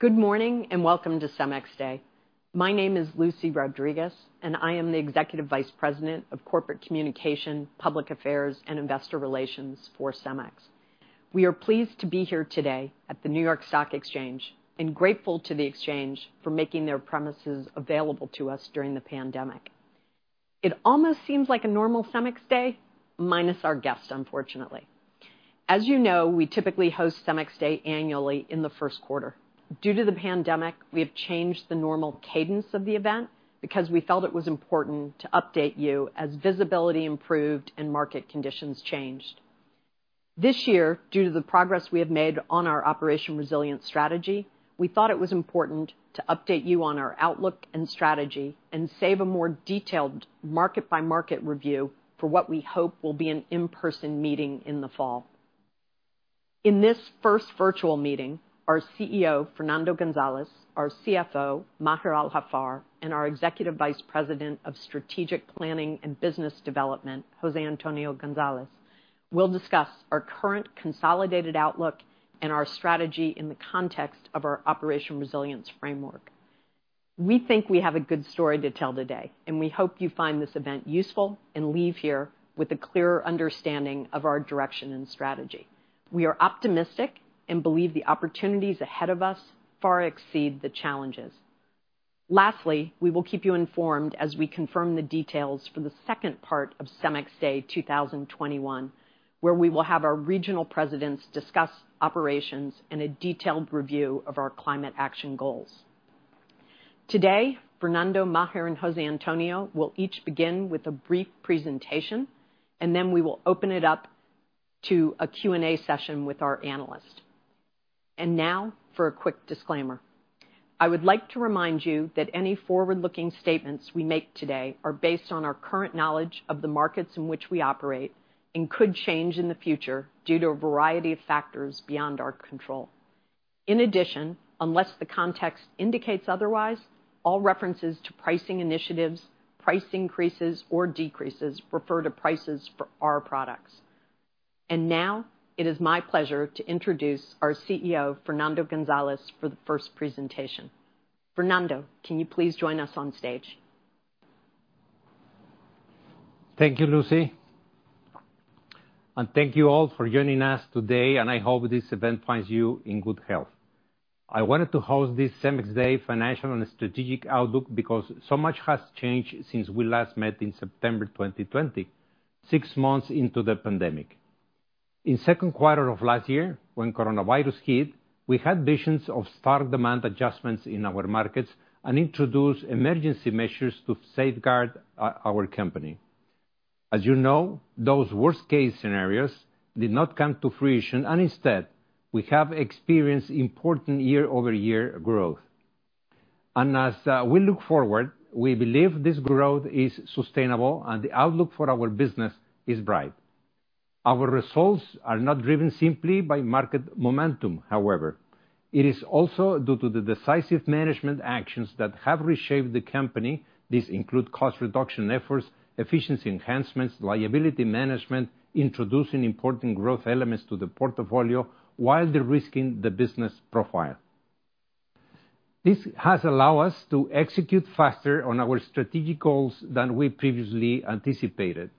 Good morning, welcome to CEMEX Day. My name is Lucy Rodriguez, and I am the Executive Vice President of Corporate Communication, Public Affairs, and Investor Relations for CEMEX. We are pleased to be here today at the New York Stock Exchange, grateful to the Exchange for making their premises available to us during the pandemic. It almost seems like a normal CEMEX Day, minus our guests, unfortunately. As you know, we typically host CEMEX Day annually in the first quarter. Due to the pandemic, we have changed the normal cadence of the event because we felt it was important to update you as visibility improved and market conditions changed. This year, due to the progress we have made on our Operation Resilience strategy, we thought it was important to update you on our outlook and strategy and save a more detailed market-by-market review for what we hope will be an in-person meeting in the fall. In this first virtual meeting, our CEO, Fernando Gonzalez, our CFO, Maher Al-Haffar, and our Executive Vice President of Strategic Planning and Business Development, Jose Antonio Gonzalez, will discuss our current consolidated outlook and our strategy in the context of our Operation Resilience framework. We think we have a good story to tell today, and we hope you find this event useful and leave here with a clearer understanding of our direction and strategy. We are optimistic and believe the opportunities ahead of us far exceed the challenges. We will keep you informed as we confirm the details for the second part of CEMEX Day 2021, where we will have our regional presidents discuss operations and a detailed review of our climate action goals. Fernando, Maher, and Jose Antonio will each begin with a brief presentation, then we will open it up to a Q&A session with our analysts. Now, for a quick disclaimer. I would like to remind you that any forward-looking statements we make today are based on our current knowledge of the markets in which we operate and could change in the future due to a variety of factors beyond our control. Unless the context indicates otherwise, all references to pricing initiatives, price increases, or decreases refer to prices for our products. Now, it is my pleasure to introduce our CEO, Fernando Gonzalez, for the first presentation. Fernando, can you please join us on stage? Thank you, Lucy, and thank you all for joining us today, and I hope this event finds you in good health. I wanted to host this CEMEX Day financial and strategic outlook because so much has changed since we last met in September 2020, six months into the pandemic. In second quarter of last year, when coronavirus hit, we had visions of stark demand adjustments in our markets and introduced emergency measures to safeguard our company. As you know, those worst-case scenarios did not come to fruition, and instead, we have experienced important year-over-year growth. As we look forward, we believe this growth is sustainable and the outlook for our business is bright. Our results are not driven simply by market momentum, however. It is also due to the decisive management actions that have reshaped the company. These include cost reduction efforts, efficiency enhancements, liability management, introducing important growth elements to the portfolio while de-risking the business profile. This has allowed us to execute faster on our strategic goals than we previously anticipated.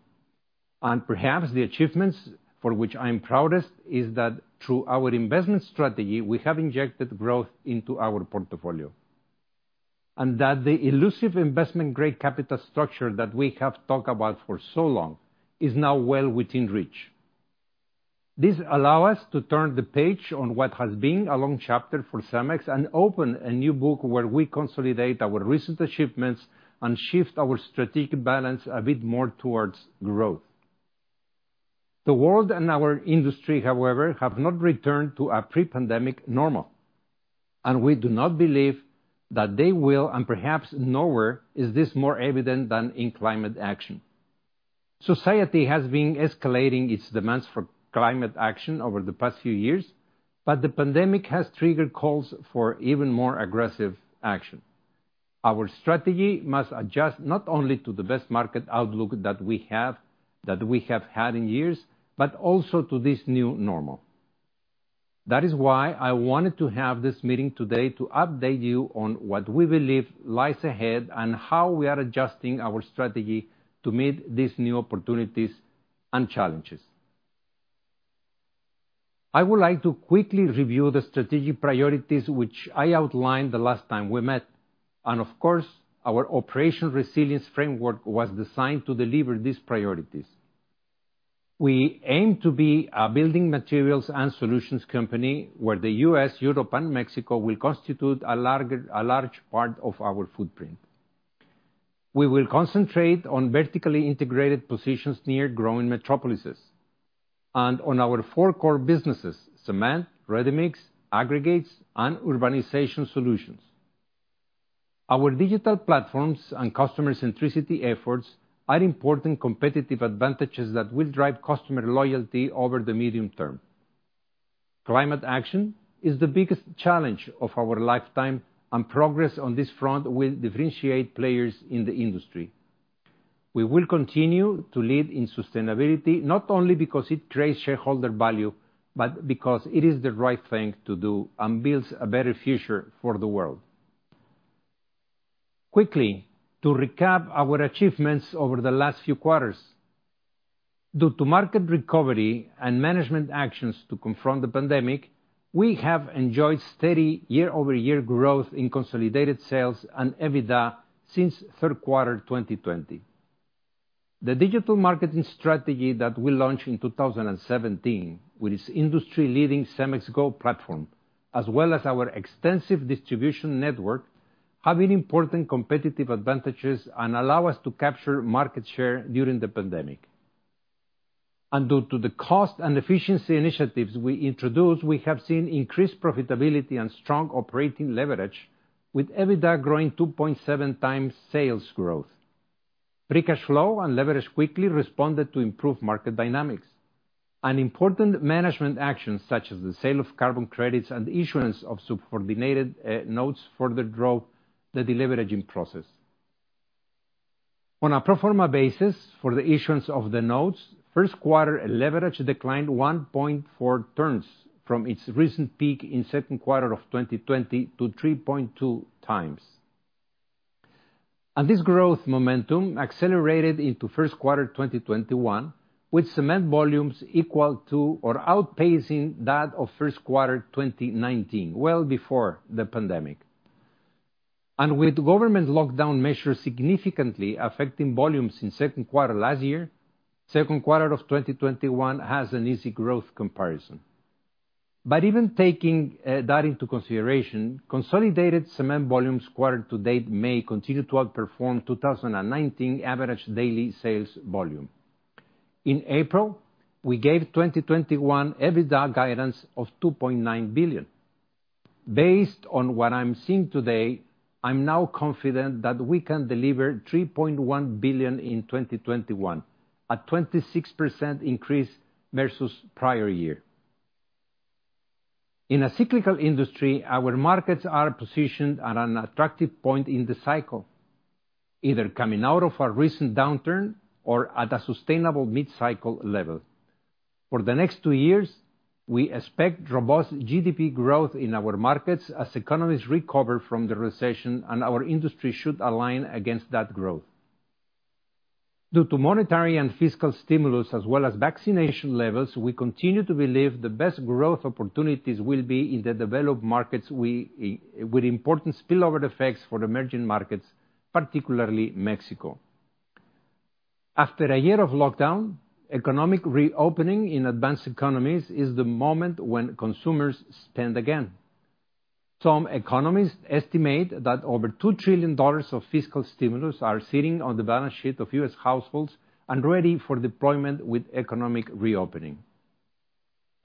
Perhaps the achievements for which I'm proudest is that through our investment strategy, we have injected growth into our portfolio, and that the elusive investment-grade capital structure that we have talked about for so long is now well within reach. This allow us to turn the page on what has been a long chapter for CEMEX and open a new book where we consolidate our recent achievements and shift our strategic balance a bit more towards growth. The world and our industry, however, have not returned to a pre-pandemic normal, and we do not believe that they will, and perhaps nowhere is this more evident than in climate action. Society has been escalating its demands for climate action over the past few years, but the pandemic has triggered calls for even more aggressive action. Our strategy must adjust not only to the best market outlook that we have had in years, but also to this new normal. That is why I wanted to have this meeting today to update you on what we believe lies ahead and how we are adjusting our strategy to meet these new opportunities and challenges. I would like to quickly review the strategic priorities which I outlined the last time we met, and of course, our Operation Resilience framework was designed to deliver these priorities. We aim to be a building materials and solutions company where the U.S., Europe, and Mexico will constitute a large part of our footprint. We will concentrate on vertically integrated positions near growing metropolises and on our four core businesses, cement, ready-mix, aggregates, and Urbanization Solutions. Our digital platforms and customer centricity efforts are important competitive advantages that will drive customer loyalty over the medium term. Climate action is the biggest challenge of our lifetime, and progress on this front will differentiate players in the industry. We will continue to lead in sustainability, not only because it creates shareholder value, but because it is the right thing to do and builds a better future for the world. Quickly, to recap our achievements over the last few quarters. Due to market recovery and management actions to confront the pandemic, we have enjoyed steady year-over-year growth in consolidated sales and EBITDA since third quarter 2020. The digital marketing strategy that we launched in 2017, with its industry-leading CEMEX Go platform, as well as our extensive distribution network, have been important competitive advantages and allow us to capture market share during the pandemic. Due to the cost and efficiency initiatives we introduced, we have seen increased profitability and strong operating leverage, with EBITDA growing 2.7 times sales growth. Free cash flow and leverage quickly responded to improved market dynamics. Important management actions such as the sale of carbon credits and the issuance of subordinated notes further drove the deleveraging process. On a pro forma basis for the issuance of the notes, first quarter leverage declined 1.4 tons from its recent peak in second quarter of 2020 to 3.2 times. This growth momentum accelerated into first quarter 2021, with cement volumes equal to or outpacing that of first quarter 2019, well before the pandemic. With government lockdown measures significantly affecting volumes in second quarter last year, second quarter of 2021 has an easy growth comparison. Even taking that into consideration, consolidated cement volumes quarter to date may continue to outperform 2019 average daily sales volume. In April, we gave 2021 EBITDA guidance of $2.9 billion. Based on what I'm seeing today, I'm now confident that we can deliver $3.1 billion in 2021, a 26% increase versus prior year. In a cyclical industry, our markets are positioned at an attractive point in the cycle, either coming out of a recent downturn or at a sustainable mid-cycle level. For the next two years, we expect robust GDP growth in our markets as economies recover from the recession and our industry should align against that growth. Due to monetary and fiscal stimulus, as well as vaccination levels, we continue to believe the best growth opportunities will be in the developed markets with important spillover effects for emerging markets, particularly Mexico. After a year of lockdown, economic reopening in advanced economies is the moment when consumers spend again. Some economists estimate that over $2 trillion of fiscal stimulus are sitting on the balance sheet of U.S. households and ready for deployment with economic reopening.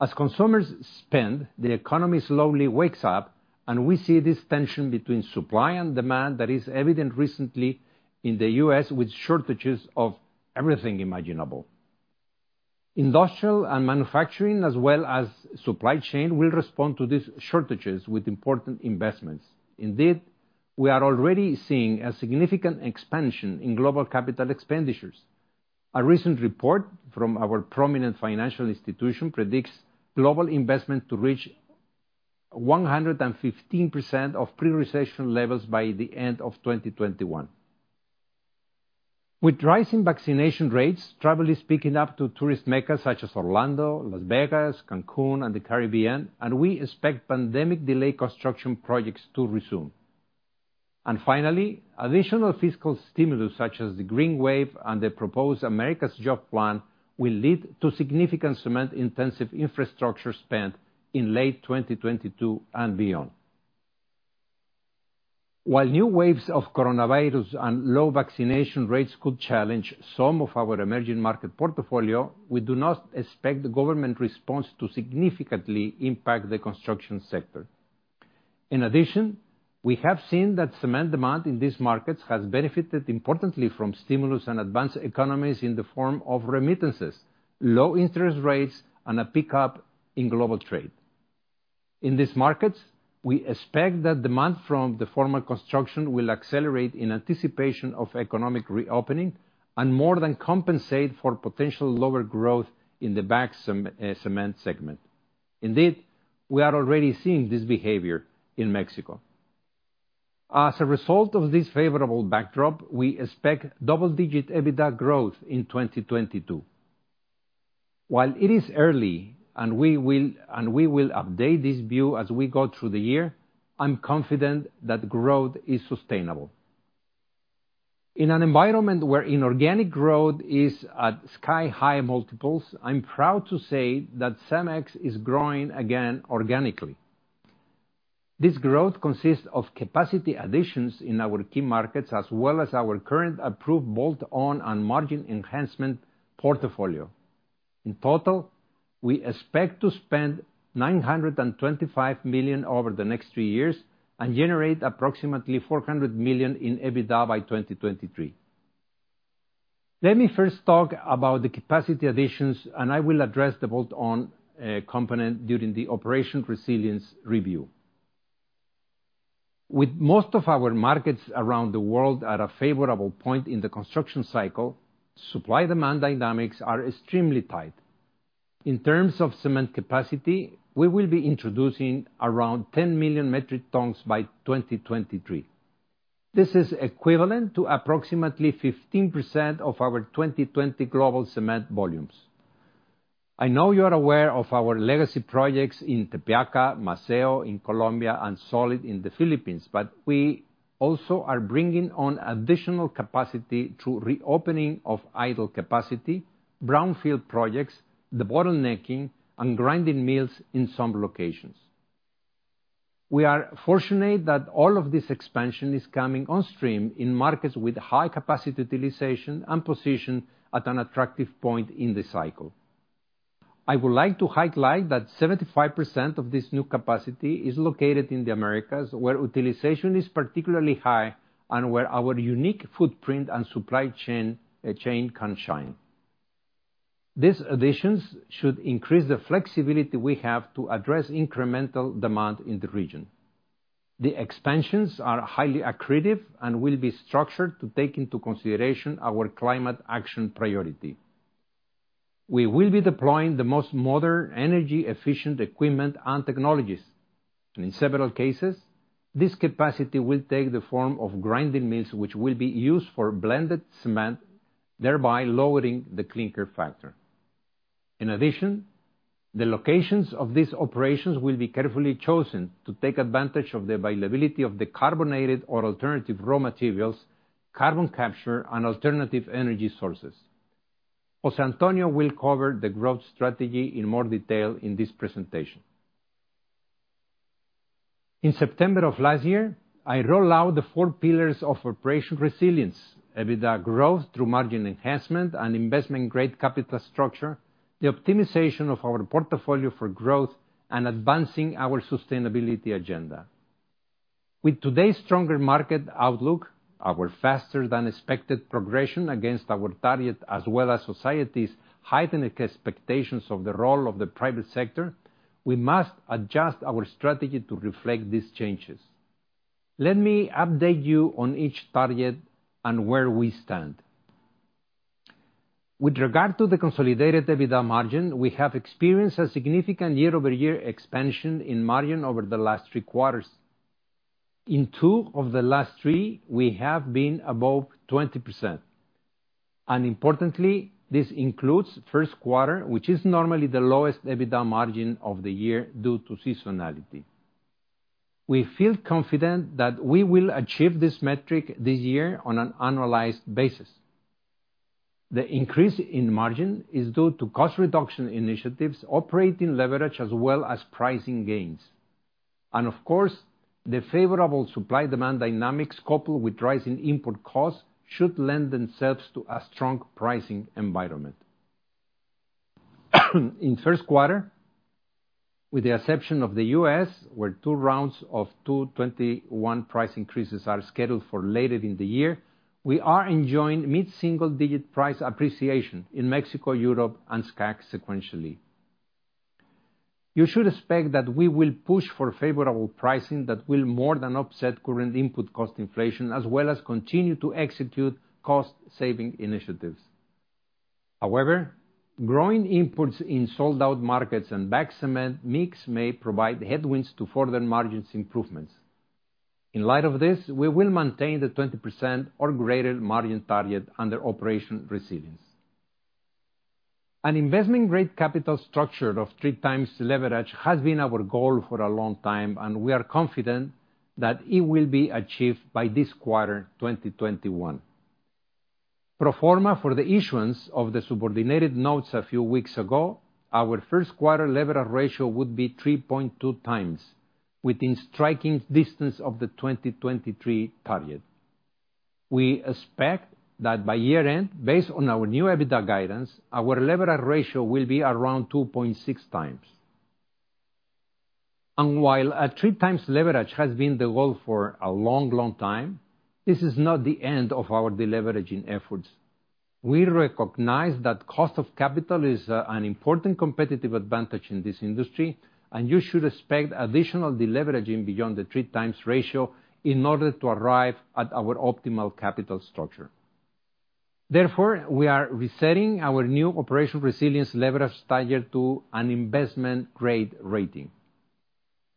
As consumers spend, the economy slowly wakes up, and we see this tension between supply and demand that is evident recently in the U.S. with shortages of everything imaginable. Industrial and manufacturing as well as supply chain will respond to these shortages with important investments. Indeed, we are already seeing a significant expansion in global capital expenditures. A recent report from our prominent financial institution predicts global investment to reach 115% of pre-recession levels by the end of 2021. With rising vaccination rates, travel is picking up to tourist meccas such as Orlando, Las Vegas, Cancun, and the Caribbean, and we expect pandemic-delayed construction projects to resume. Finally, additional fiscal stimulus such as the Green Wave and the proposed American Jobs Plan will lead to significant cement-intensive infrastructure spend in late 2022 and beyond. While new waves of coronavirus and low vaccination rates could challenge some of our emerging market portfolio, we do not expect the government response to significantly impact the construction sector. In addition, we have seen that cement demand in these markets has benefited importantly from stimulus and advanced economies in the form of remittances, low interest rates, and a pickup in global trade. In these markets, we expect that demand from the former construction will accelerate in anticipation of economic reopening and more than compensate for potential lower growth in the bag cement segment. Indeed, we are already seeing this behavior in Mexico. As a result of this favorable backdrop, we expect double-digit EBITDA growth in 2022. While it is early and we will update this view as we go through the year, I'm confident that growth is sustainable. In an environment where inorganic growth is at sky-high multiples, I'm proud to say that CEMEX is growing again organically. This growth consists of capacity additions in our key markets as well as our current approved bolt-on and margin enhancement portfolio. In total, we expect to spend $925 million over the next 3 years and generate approximately $400 million in EBITDA by 2023. Let me first talk about the capacity additions, and I will address the bolt-on component during the Operation Resilience review. With most of our markets around the world at a favorable point in the construction cycle, supply-demand dynamics are extremely tight. In terms of cement capacity, we will be introducing around 10 million metric tons by 2023. This is equivalent to approximately 15% of our 2020 global cement volumes. I know you're aware of our legacy projects in Tepeaca, Maceo in Colombia, and Solid Cement in the Philippines, but we also are bringing on additional capacity through reopening of idle capacity, brownfield projects, debottlenecking, and grinding mills in some locations. We are fortunate that all of this expansion is coming on stream in markets with high capacity utilization and positioned at an attractive point in the cycle. I would like to highlight that 75% of this new capacity is located in the Americas, where utilization is particularly high and where our unique footprint and supply chain can shine. These additions should increase the flexibility we have to address incremental demand in the region. The expansions are highly accretive and will be structured to take into consideration our climate action priority. We will be deploying the most modern energy-efficient equipment and technologies. In several cases, this capacity will take the form of grinding mills, which will be used for blended cement, thereby lowering the clinker factor. In addition, the locations of these operations will be carefully chosen to take advantage of the availability of decarbonated or alternative raw materials, carbon capture, and alternative energy sources. Jose Antonio will cover the growth strategy in more detail in his presentation. In September of last year, I rolled out the four pillars of Operation Resilience, EBITDA growth through margin enhancement and investment-grade capital structure, the optimization of our portfolio for growth, and advancing our sustainability agenda. With today's stronger market outlook, our faster-than-expected progression against our target, as well as society's heightened expectations of the role of the private sector, we must adjust our strategy to reflect these changes. Let me update you on each target and where we stand. With regard to the consolidated EBITDA margin, we have experienced a significant year-over-year expansion in margin over the last three quarters. In two of the last three, we have been above 20%. Importantly, this includes the first quarter, which is normally the lowest EBITDA margin of the year due to seasonality. We feel confident that we will achieve this metric this year on an annualized basis. The increase in margin is due to cost reduction initiatives, operating leverage, as well as pricing gains. Of course, the favorable supply-demand dynamics, coupled with rising input costs, should lend themselves to a strong pricing environment. In the first quarter, with the exception of the U.S., where two rounds of 2021 price increases are scheduled for later in the year, we are enjoying mid-single-digit price appreciation in Mexico, Europe, and SCAC sequentially. You should expect that we will push for favorable pricing that will more than offset current input cost inflation, as well as continue to execute cost-saving initiatives. Growing inputs in sold-out markets and bag cement mix may provide headwinds to further margins improvements. In light of this, we will maintain the 20% or greater margin target under Operation Resilience. An investment-grade capital structure of three times leverage has been our goal for a long time. We are confident that it will be achieved by this quarter, 2021. Pro forma for the issuance of the subordinated notes a few weeks ago, our first-quarter leverage ratio would be 3.2x, within striking distance of the 2023 target. We expect that by year-end, based on our new EBITDA guidance, our leverage ratio will be around 2.6x. While a three times leverage has been the goal for a long time, this is not the end of our deleveraging efforts. We recognize that cost of capital is an important competitive advantage in this industry. You should expect additional deleveraging beyond the 3x ratio in order to arrive at our optimal capital structure. We are resetting our new Operation Resilience leverage target to an investment-grade rating.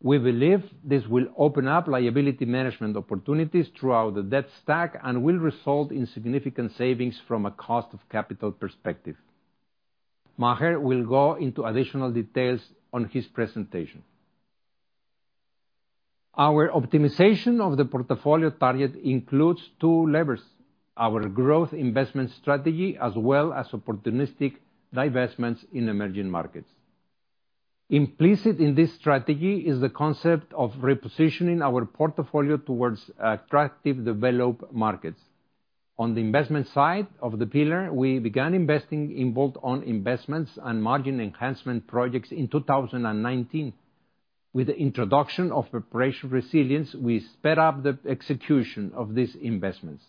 We believe this will open up liability management opportunities throughout the debt stack and will result in significant savings from a cost of capital perspective. Maher will go into additional details on his presentation. Our optimization of the portfolio target includes two levers, our growth investment strategy, as well as opportunistic divestments in emerging markets. Implicit in this strategy is the concept of repositioning our portfolio towards attractive developed markets. On the investment side of the pillar, we began investing in bolt-on investments and margin enhancement projects in 2019. With the introduction of Operation Resilience, we sped up the execution of these investments.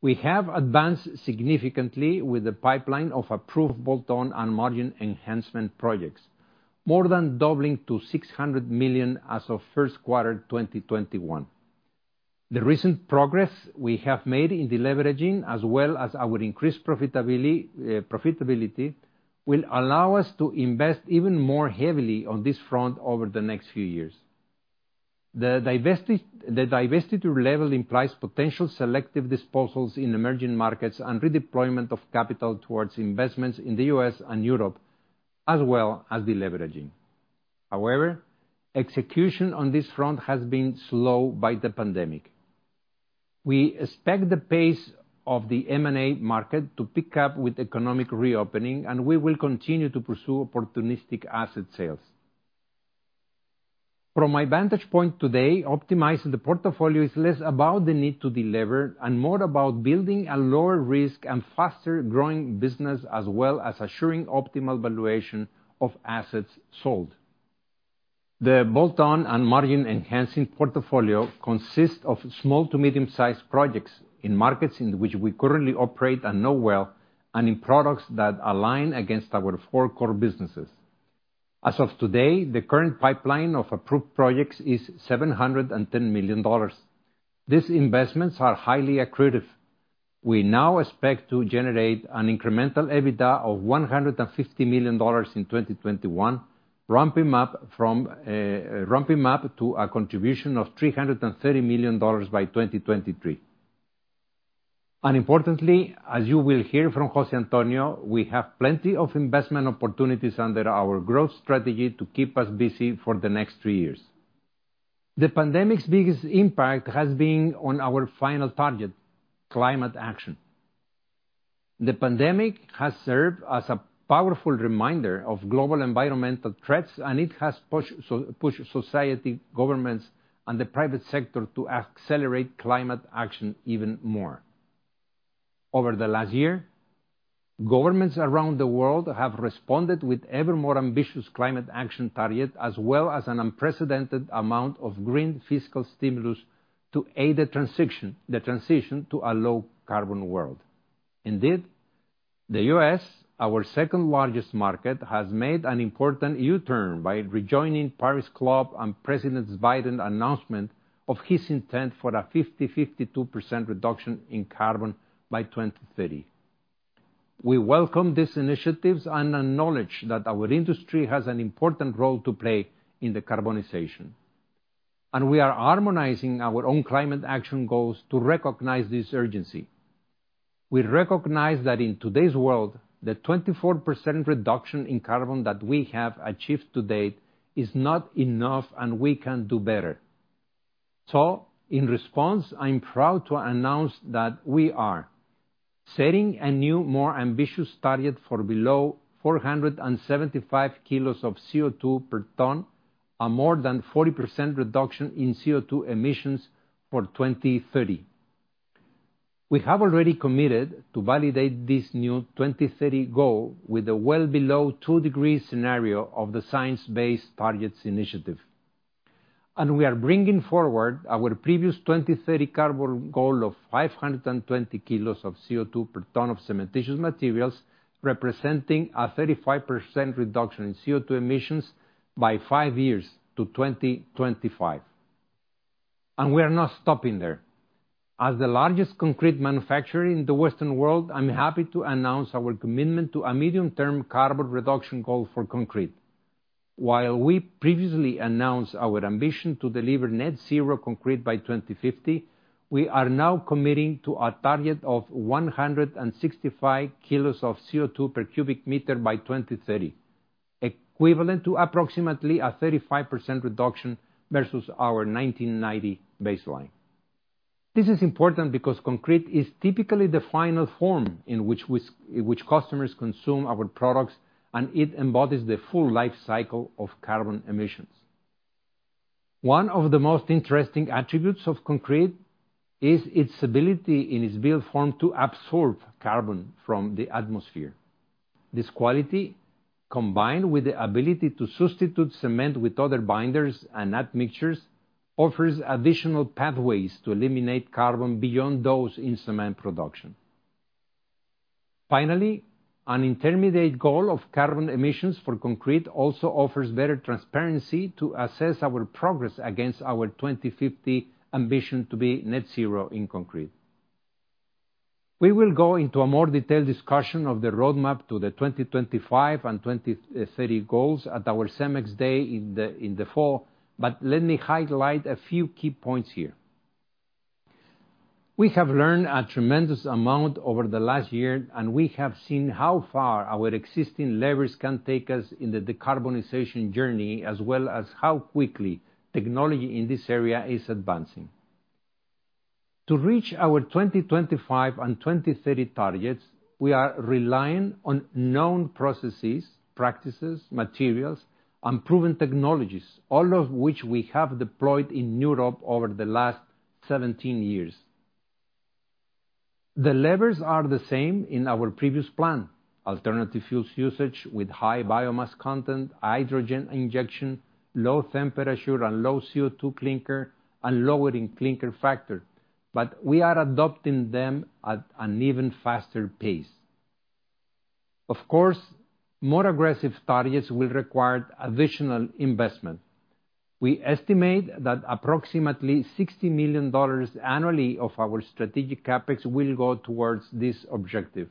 We have advanced significantly with the pipeline of approved bolt-on and margin enhancement projects, more than doubling to $600 million as of first quarter 2021. The recent progress we have made in deleveraging, as well as our increased profitability, will allow us to invest even more heavily on this front over the next few years. The diversity level implies potential selective disposals in emerging markets and redeployment of capital towards investments in the U.S. and Europe, as well as deleveraging. However, execution on this front has been slow by the pandemic. We expect the pace of the M&A market to pick up with economic reopening, and we will continue to pursue opportunistic asset sales. From my vantage point today, optimizing the portfolio is less about the need to delever and more about building a lower risk and faster-growing business, as well as assuring optimal valuation of assets sold. The bolt-on and margin enhancing portfolio consists of small to medium-sized projects in markets in which we currently operate and know well, and in products that align against our four core businesses. As of today, the current pipeline of approved projects is $710 million. These investments are highly accretive. We now expect to generate an incremental EBITDA of $150 million in 2021, ramping up to a contribution of $330 million by 2023. Importantly, as you will hear from Jose Antonio, we have plenty of investment opportunities under our growth strategy to keep us busy for the next three years. The pandemic's biggest impact has been on our final target, climate action. The pandemic has served as a powerful reminder of global environmental threats, and it has pushed society, governments, and the private sector to accelerate climate action even more. Over the last year, governments around the world have responded with ever more ambitious climate action targets, as well as an unprecedented amount of green fiscal stimulus to aid the transition to a low carbon world. Indeed, the U.S., our second largest market, has made an important U-turn by rejoining Paris Agreement and President Biden's announcement of his intent for a 50%-52% reduction in carbon by 2030. We welcome these initiatives and acknowledge that our industry has an important role to play in decarbonization. We are harmonizing our own climate action goals to recognize this urgency. We recognize that in today's world, the 24% reduction in carbon that we have achieved to date is not enough and we can do better. In response, I'm proud to announce that we are setting a new, more ambitious target for below 475 kilos of CO2 per ton, a more than 40% reduction in CO2 emissions for 2030. We have already committed to validate this new 2030 goal with a well below 2 degree scenario of the Science Based Targets initiative. We are bringing forward our previous 2030 carbon goal of 520 kilos of CO2 per ton of cementitious materials, representing a 35% reduction in CO2 emissions by five years to 2025, and we are not stopping there. As the largest concrete manufacturer in the Western world, I'm happy to announce our commitment to a medium-term carbon reduction goal for concrete. While we previously announced our ambition to deliver net-zero concrete by 2050, we are now committing to a target of 165 kilos of CO2 per cubic meter by 2030, equivalent to approximately a 35% reduction versus our 1990 baseline. This is important because concrete is typically the final form in which customers consume our products, and it embodies the full life cycle of carbon emissions. One of the most interesting attributes of concrete is its ability in its built form to absorb carbon from the atmosphere. This quality, combined with the ability to substitute cement with other binders and admixtures, offers additional pathways to eliminate carbon beyond those in cement production. Finally, an intermediate goal of carbon emissions for concrete also offers better transparency to assess our progress against our 2050 ambition to be net-zero in concrete. We will go into a more detailed discussion of the roadmap to the 2025 and 2030 goals at our CEMEX Day in the fall, but let me highlight a few key points here. We have learned a tremendous amount over the last year, and we have seen how far our existing levers can take us in the decarbonization journey, as well as how quickly technology in this area is advancing. To reach our 2025 and 2030 targets, we are relying on known processes, practices, materials, and proven technologies, all of which we have deployed in Europe over the last 17 years. The levers are the same in our previous plan: alternative fuel usage with high biomass content, hydrogen injection, low temperature and low CO2 clinker, and lowering clinker factor, but we are adopting them at an even faster pace. Of course, more aggressive targets will require additional investment. We estimate that approximately $60 million annually of our strategic CapEx will go towards this objective.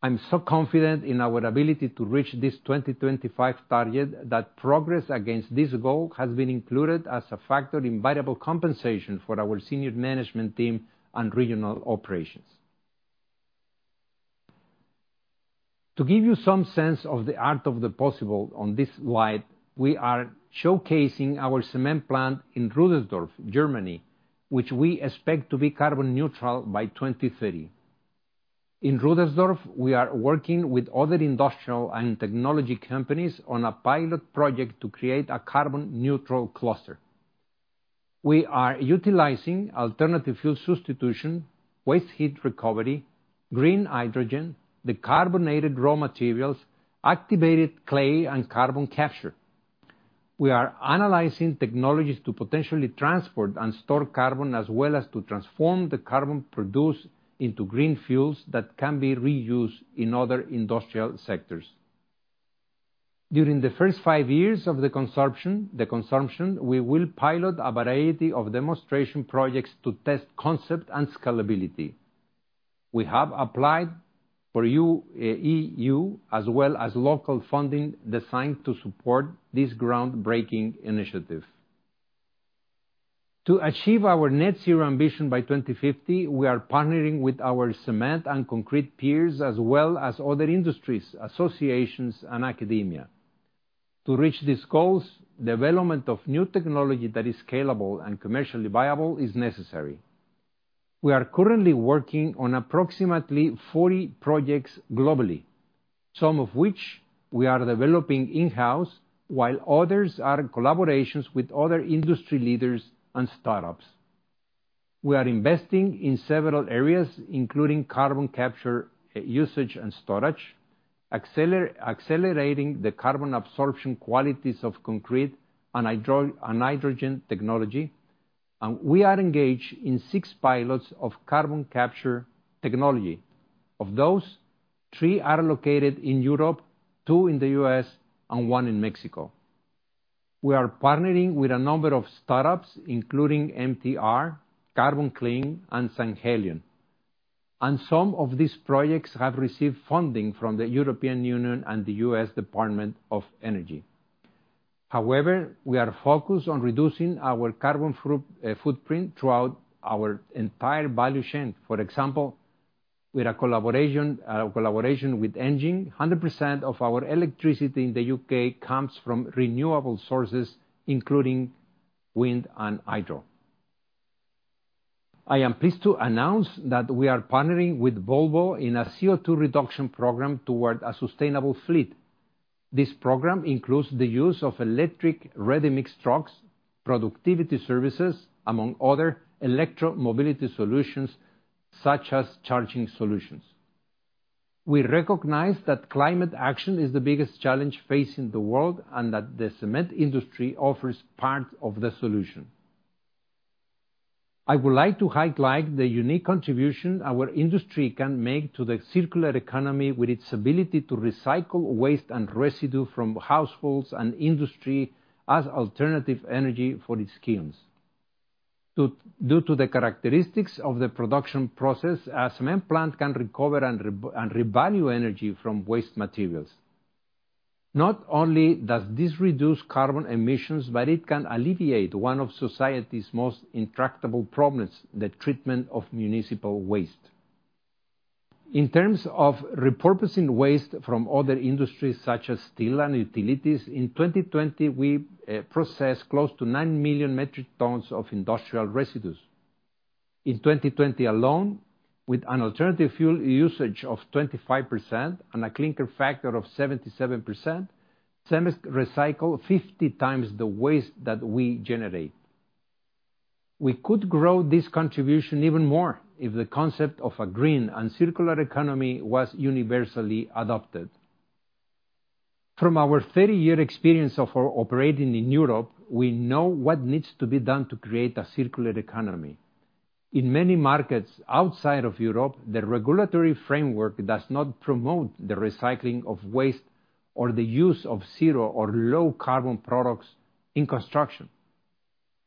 I'm so confident in our ability to reach this 2025 target that progress against this goal has been included as a factor in variable compensation for our senior management team and regional operations. To give you some sense of the art of the possible, on this slide, we are showcasing our cement plant in Rüdersdorf, Germany, which we expect to be carbon neutral by 2030. In Rüdersdorf, we are working with other industrial and technology companies on a pilot project to create a carbon neutral cluster. We are utilizing alternative fuel substitution, waste heat recovery, green hydrogen, decarbonated raw materials, activated clay, and carbon capture. We are analyzing technologies to potentially transport and store carbon, as well as to transform the carbon produced into green fuels that can be reused in other industrial sectors. During the first five years of the consumption, we will pilot a variety of demonstration projects to test concept and scalability. We have applied for EU as well as local funding designed to support this groundbreaking initiative. To achieve our net-zero ambition by 2050, we are partnering with our cement and concrete peers, as well as other industries, associations, and academia. To reach these goals, development of new technology that is scalable and commercially viable is necessary. We are currently working on approximately 40 projects globally, some of which we are developing in-house, while others are in collaborations with other industry leaders and startups. We are investing in several areas, including carbon capture, usage, and storage, accelerating the carbon absorption qualities of concrete, and hydrogen technology, and we are engaged in six pilots of carbon capture technology. Of those, three are located in Europe, two in the U.S., and one in Mexico. We are partnering with a number of startups, including MTR, Carbon Clean, and Synhelion, and some of these projects have received funding from the European Union and the U.S. Department of Energy. However, we are focused on reducing our carbon footprint throughout our entire value chain. For example, with our collaboration with ENGIE, 100% of our electricity in the U.K. comes from renewable sources, including wind and hydro. I am pleased to announce that we are partnering with Volvo in a CO2 reduction program toward a sustainable fleet. This program includes the use of electric ready-mix trucks, productivity services, among other electro-mobility solutions, such as charging solutions. We recognize that climate action is the biggest challenge facing the world, and that the cement industry offers part of the solution. I would like to highlight the unique contribution our industry can make to the circular economy with its ability to recycle waste and residue from households and industry as alternative energy for its kilns. Due to the characteristics of the production process, a cement plant can recover and revalue energy from waste materials. Not only does this reduce carbon emissions, but it can alleviate one of society's most intractable problems, the treatment of municipal waste. In terms of repurposing waste from other industries such as steel and utilities, in 2020, we processed close to 9 million metric tons of industrial residues. In 2020 alone, with an alternative fuel usage of 25% and a clinker factor of 77%, CEMEX recycled 50 times the waste that we generate. We could grow this contribution even more if the concept of a green and circular economy was universally adopted. From our 30-year experience of operating in Europe, we know what needs to be done to create a circular economy. In many markets outside of Europe, the regulatory framework does not promote the recycling of waste or the use of zero or low-carbon products in construction.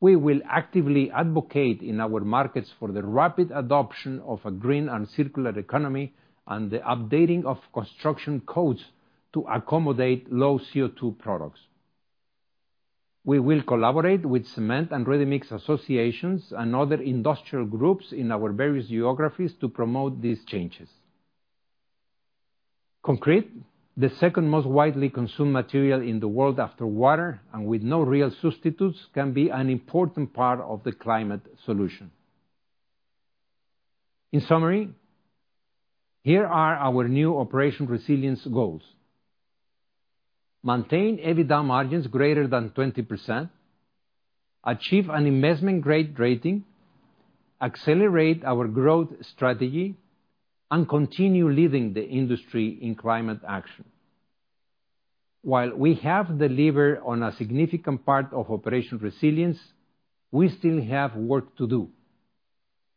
We will actively advocate in our markets for the rapid adoption of a green and circular economy and the updating of construction codes to accommodate low-CO2 products. We will collaborate with cement and ready-mix associations and other industrial groups in our various geographies to promote these changes. Concrete, the second most widely consumed material in the world after water and with no real substitutes, can be an important part of the climate solution. In summary, here are our new Operation Resilience goals. Maintain EBITDA margins greater than 20%, achieve an investment-grade rating, accelerate our growth strategy, and continue leading the industry in climate action. While we have delivered on a significant part of Operation Resilience, we still have work to do.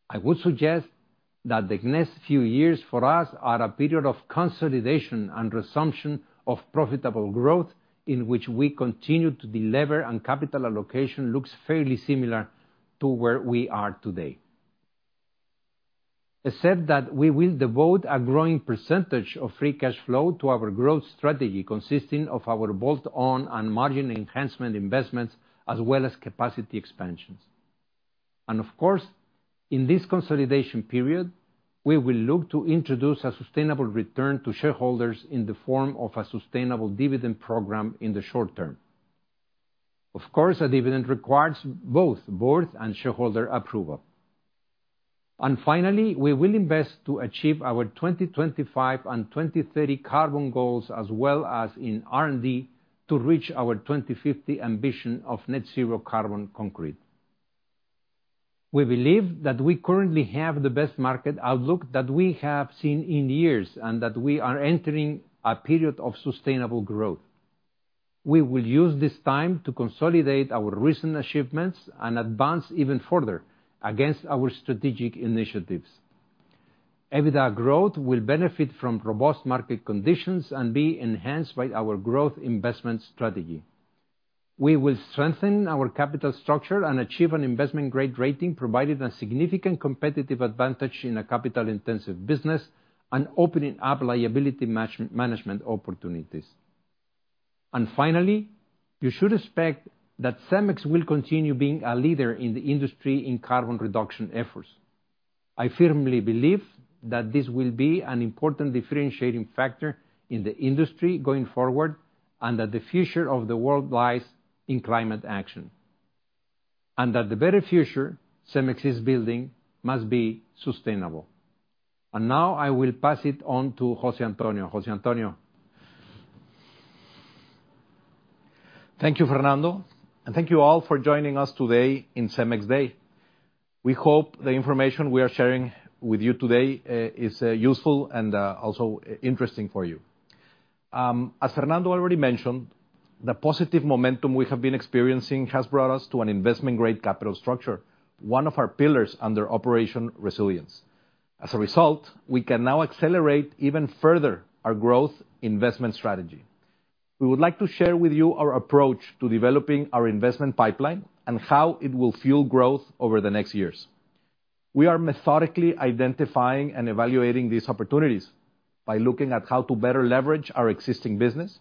I would suggest that the next few years for us are a period of consolidation and resumption of profitable growth, in which we continue to deliver, and capital allocation looks fairly similar to where we are today. Except that we will devote a growing percentage of free cash flow to our growth strategy, consisting of our bolt-on and margin enhancement investments, as well as capacity expansions. Of course, in this consolidation period, we will look to introduce a sustainable return to shareholders in the form of a sustainable dividend program in the short term. Of course, a dividend requires both board and shareholder approval. Finally, we will invest to achieve our 2025 and 2030 carbon goals as well as in R&D to reach our 2050 ambition of net zero carbon concrete. We believe that we currently have the best market outlook that we have seen in years, and that we are entering a period of sustainable growth. We will use this time to consolidate our recent achievements and advance even further against our strategic initiatives. EBITDA growth will benefit from robust market conditions and be enhanced by our growth investment strategy. We will strengthen our capital structure and achieve an investment-grade rating, providing a significant competitive advantage in a capital-intensive business and opening up liability management opportunities. Finally, you should expect that CEMEX will continue being a leader in the industry in carbon reduction efforts. I firmly believe that this will be an important differentiating factor in the industry going forward, and that the future of the world lies in climate action, and that the better future CEMEX is building must be sustainable. Now I will pass it on to Jose Antonio. Jose Antonio? Thank you, Fernando, and thank you all for joining us today in CEMEX Day. We hope the information we are sharing with you today is useful and also interesting for you. As Fernando already mentioned, the positive momentum we have been experiencing has brought us to an investment-grade capital structure, one of our pillars under Operation Resilience. As a result, we can now accelerate even further our growth investment strategy. We would like to share with you our approach to developing our investment pipeline and how it will fuel growth over the next years. We are methodically identifying and evaluating these opportunities by looking at how to better leverage our existing business,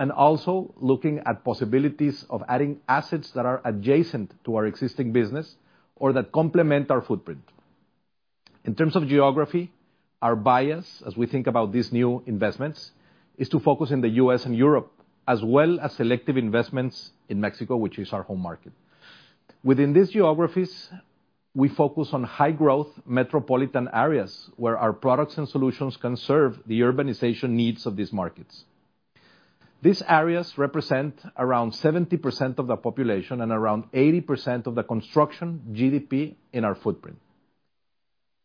and also looking at possibilities of adding assets that are adjacent to our existing business or that complement our footprint. In terms of geography, our bias, as we think about these new investments, is to focus in the U.S. and Europe, as well as selective investments in Mexico, which is our home market. Within these geographies, we focus on high-growth metropolitan areas where our products and solutions can serve the urbanization needs of these markets. These areas represent around 70% of the population and around 80% of the construction GDP in our footprint.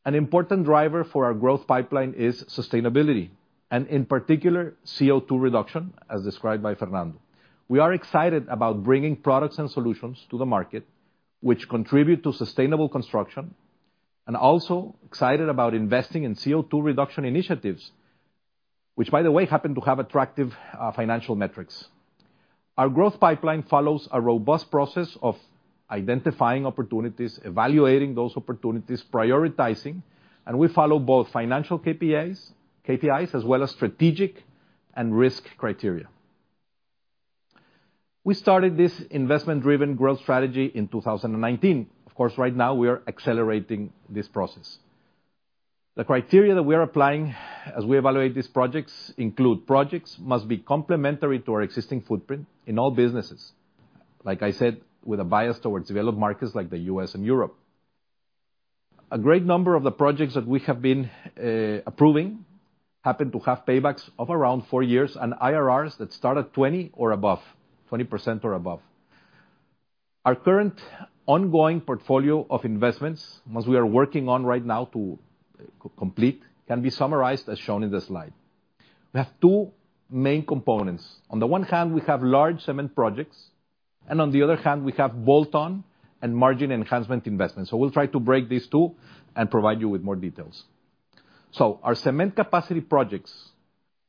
An important driver for our growth pipeline is sustainability, and in particular, CO2 reduction, as described by Fernando. We are excited about bringing products and solutions to the market which contribute to sustainable construction, and also excited about investing in CO2 reduction initiatives, which, by the way, happen to have attractive financial metrics. Our growth pipeline follows a robust process of identifying opportunities, evaluating those opportunities, prioritizing, and we follow both financial KPIs as well as strategic and risk criteria. We started this investment-driven growth strategy in 2019. Of course, right now, we are accelerating this process. The criteria that we are applying as we evaluate these projects include projects must be complementary to our existing footprint in all businesses. Like I said, with a bias towards developed markets like the U.S. and Europe. A great number of the projects that we have been approving happen to have paybacks of around four years and IRRs that start at 20% or above. Our current ongoing portfolio of investments, ones we are working on right now to complete, can be summarized as shown in the slide. We have two main components. On the one hand, we have large cement projects, and on the other hand, we have bolt-on and margin enhancement investments. We'll try to break these two, and provide you with more details. Our cement capacity projects,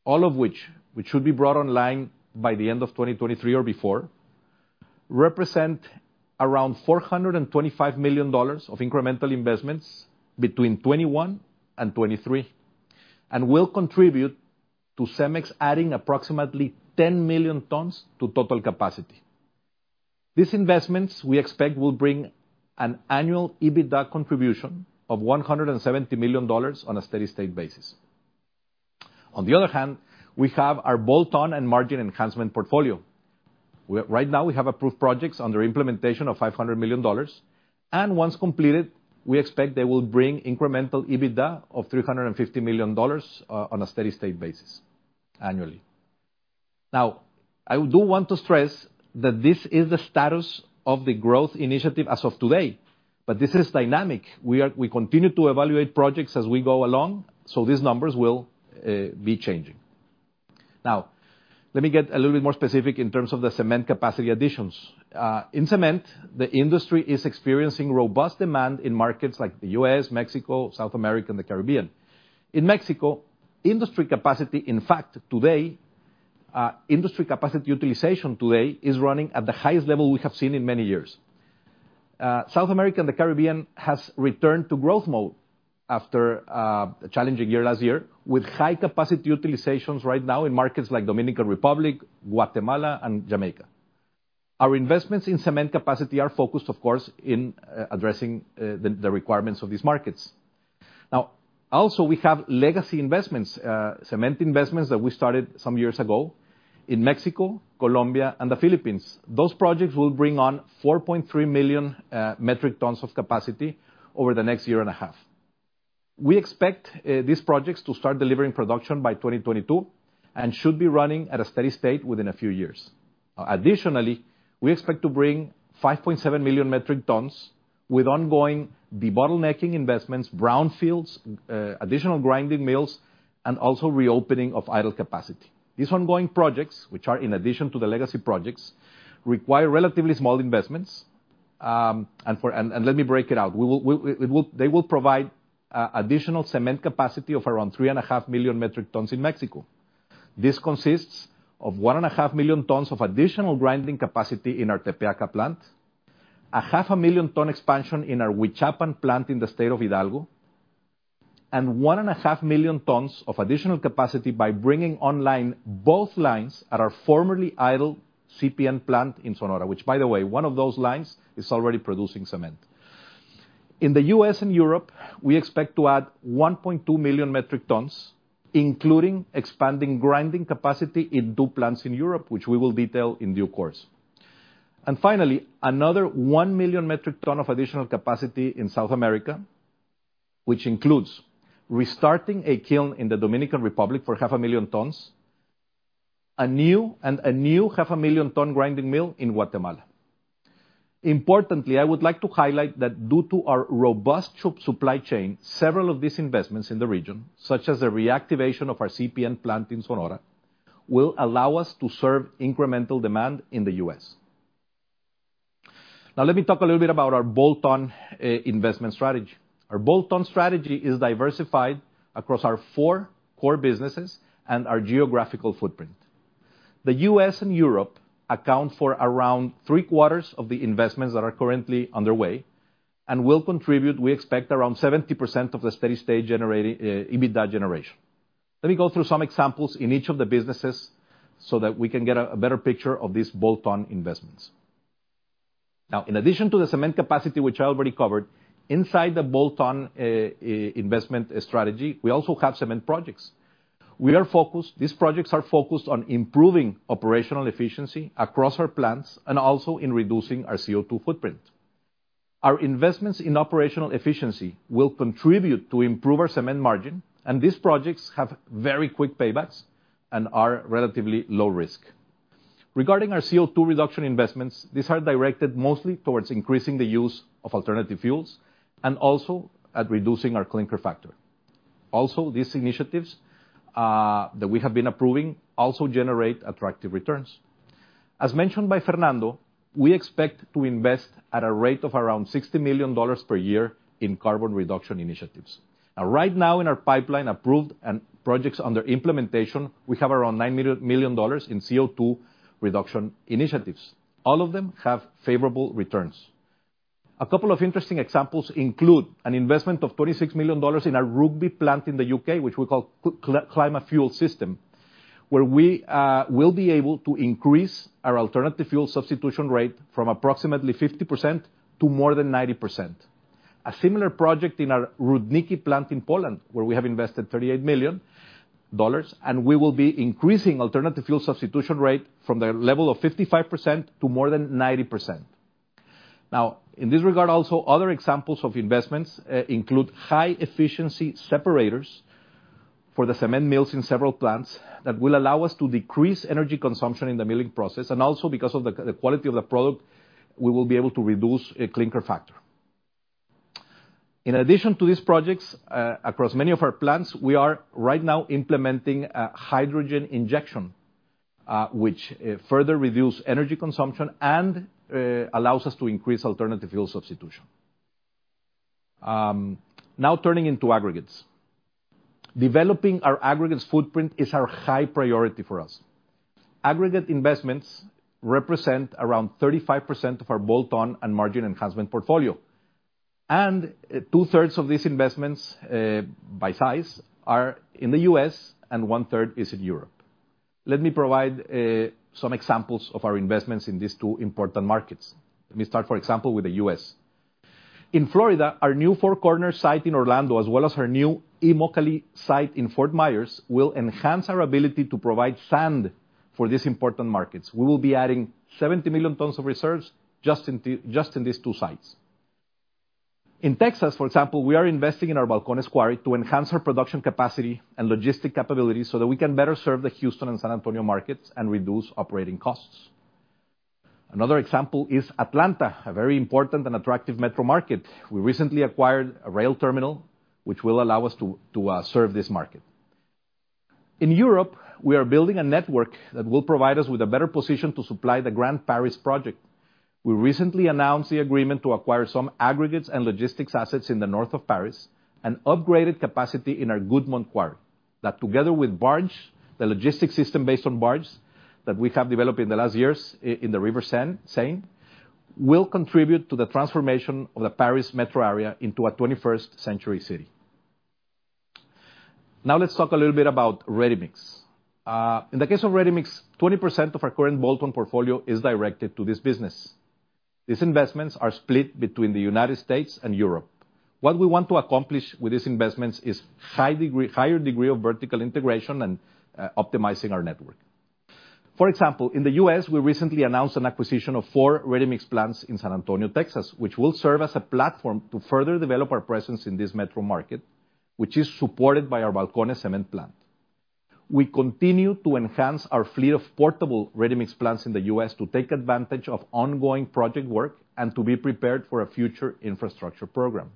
all of which should be brought online by the end of 2023 or before, represent around $425 million of incremental investments between 2021 and 2023 and will contribute to CEMEX adding approximately 10 million tons to total capacity. These investments, we expect, will bring an annual EBITDA contribution of $170 million on a steady-state basis. On the other hand, we have our bolt-on and margin enhancement portfolio. Right now, we have approved projects under implementation of $500 million, and once completed, we expect they will bring incremental EBITDA of $350 million on a steady-state basis annually. I do want to stress that this is the status of the growth initiative as of today, but this is dynamic. We continue to evaluate projects as we go along, these numbers will be changing. Let me get a little bit more specific in terms of the cement capacity additions. In cement, the industry is experiencing robust demand in markets like the U.S., Mexico, South America, and the Caribbean. In Mexico, industry capacity utilization today is running at the highest level we have seen in many years. South America and the Caribbean has returned to growth mode after a challenging year last year, with high capacity utilizations right now in markets like Dominican Republic, Guatemala, and Jamaica. Our investments in cement capacity are focused, of course, in addressing the requirements of these markets. Also we have legacy investments, cement investments that we started some years ago in Mexico, Colombia, and the Philippines. Those projects will bring on 4.3 million metric tons of capacity over the next year and a half. We expect these projects to start delivering production by 2022 and should be running at a steady state within a few years. Additionally, we expect to bring 5.7 million metric tons with ongoing debottlenecking investments, brownfields, additional grinding mills, and also reopening of idle capacity. These ongoing projects, which are in addition to the legacy projects, require relatively small investments. Let me break it out. They will provide additional cement capacity of around 3.5 million metric tons in Mexico. This consists of one and a half million tons of additional grinding capacity in our Tepeaca plant, a half a million ton expansion in our Huichapan plant in the state of Hidalgo, and one and a half million tons of additional capacity by bringing online both lines at our formerly idle CPN plant in Sonora, which by the way, one of those lines is already producing cement. In the U.S. and Europe, we expect to add 1.2 million metric tons, including expanding grinding capacity in two plants in Europe, which we will detail in due course. Finally, another one million metric ton of additional capacity in South America, which includes restarting a kiln in the Dominican Republic for half a million tons, and a new half a million ton grinding mill in Guatemala. Importantly, I would like to highlight that due to our robust supply chain, several of these investments in the region, such as the reactivation of our CPN plant in Sonora, will allow us to serve incremental demand in the U.S. Let me talk a little bit about our bolt-on investment strategy. Our bolt-on strategy is diversified across our four core businesses and our geographical footprint. The U.S. and Europe account for around three-quarters of the investments that are currently underway and will contribute, we expect, around 70% of the steady-state EBITDA generation. Let me go through some examples in each of the businesses so that we can get a better picture of these bolt-on investments. In addition to the cement capacity, which I already covered, inside the bolt-on investment strategy, we also have cement projects. These projects are focused on improving operational efficiency across our plants and also in reducing our CO2 footprint. Our investments in operational efficiency will contribute to improve our cement margin, and these projects have very quick paybacks and are relatively low risk. Regarding our CO2 reduction investments, these are directed mostly towards increasing the use of alternative fuels and also at reducing our clinker factor. These initiatives that we have been approving also generate attractive returns. As mentioned by Fernando, we expect to invest at a rate of around $60 million per year in carbon reduction initiatives. Right now in our pipeline approved and projects under implementation, we have around $9 million in CO2 reduction initiatives. All of them have favorable returns. A couple of interesting examples include an investment of $36 million in our Rugby plant in the U.K., which we call Climafuel System, where we will be able to increase our alternative fuel substitution rate from approximately 50% to more than 90%. A similar project in our Rudniki plant in Poland, where we have invested $38 million, and we will be increasing alternative fuel substitution rate from a level of 55% to more than 90%. In this regard also, other examples of investments include high-efficiency separators for the cement mills in several plants that will allow us to decrease energy consumption in the milling process, and also because of the quality of the product, we will be able to reduce a clinker factor. In addition to these projects, across many of our plants, we are right now implementing hydrogen injection, which further reduce energy consumption and allows us to increase alternative fuel substitution. Turning into aggregates. Developing our aggregates footprint is our high priority for us. Aggregate investments represent around 35% of our bolt-on and margin enhancement portfolio, and two-thirds of these investments by size are in the U.S., and one-third is in Europe. Let me provide some examples of our investments in these two important markets. Let me start, for example, with the U.S. In Florida, our new Four Corners site in Orlando, as well as our new Immokalee site in Fort Myers, will enhance our ability to provide sand for these important markets. We will be adding 70 million tons of reserves just in these two sites. In Texas, for example, we are investing in our Balcones Quarry to enhance our production capacity and logistic capability so that we can better serve the Houston and San Antonio markets and reduce operating costs. Another example is Atlanta, a very important and attractive metro market. We recently acquired a rail terminal, which will allow us to serve this market. In Europe, we are building a network that will provide us with a better position to supply the Grand Paris project. We recently announced the agreement to acquire some aggregates and logistics assets in the north of Paris and upgraded capacity in our Gudmont Quarry. That together with barge, the logistics system based on barge that we have developed in the last years in the River Seine, will contribute to the transformation of the Paris metro area into a 21st century city. Let's talk a little bit about ready-mix. In the case of ready-mix, 20% of our current bolt-on portfolio is directed to this business. These investments are split between the U.S. and Europe. What we want to accomplish with these investments is higher degree of vertical integration and optimizing our network. For example, in the U.S., we recently announced an acquisition of 4 ready-mix plants in San Antonio, Texas, which will serve as a platform to further develop our presence in this metro market, which is supported by our Balcones Cement plant. We continue to enhance our fleet of portable ready-mix plants in the U.S. to take advantage of ongoing project work and to be prepared for a future infrastructure program.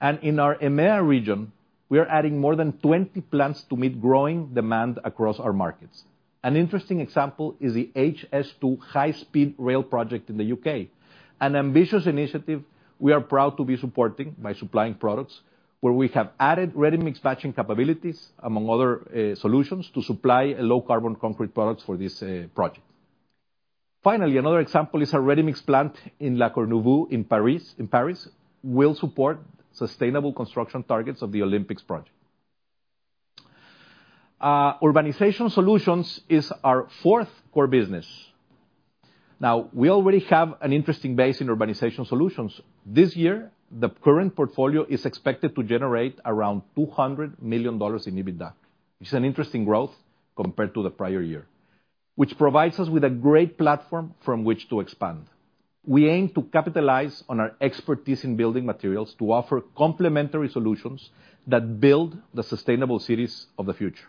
In our EMEA region, we are adding more than 20 plants to meet growing demand across our markets. An interesting example is the HS2 high-speed rail project in the U.K., an ambitious initiative we are proud to be supporting by supplying products where we have added ready-mix batching capabilities among other solutions to supply low carbon concrete products for this project. Another example is our ready-mix plant in La Courneuve in Paris, will support sustainable construction targets of the Olympics project. Urbanization Solutions is our fourth core business. We already have an interesting base in Urbanization Solutions. This year, the current portfolio is expected to generate around $200 million in EBITDA. It's an interesting growth compared to the prior year, which provides us with a great platform from which to expand. We aim to capitalize on our expertise in building materials to offer complementary solutions that build the sustainable cities of the future.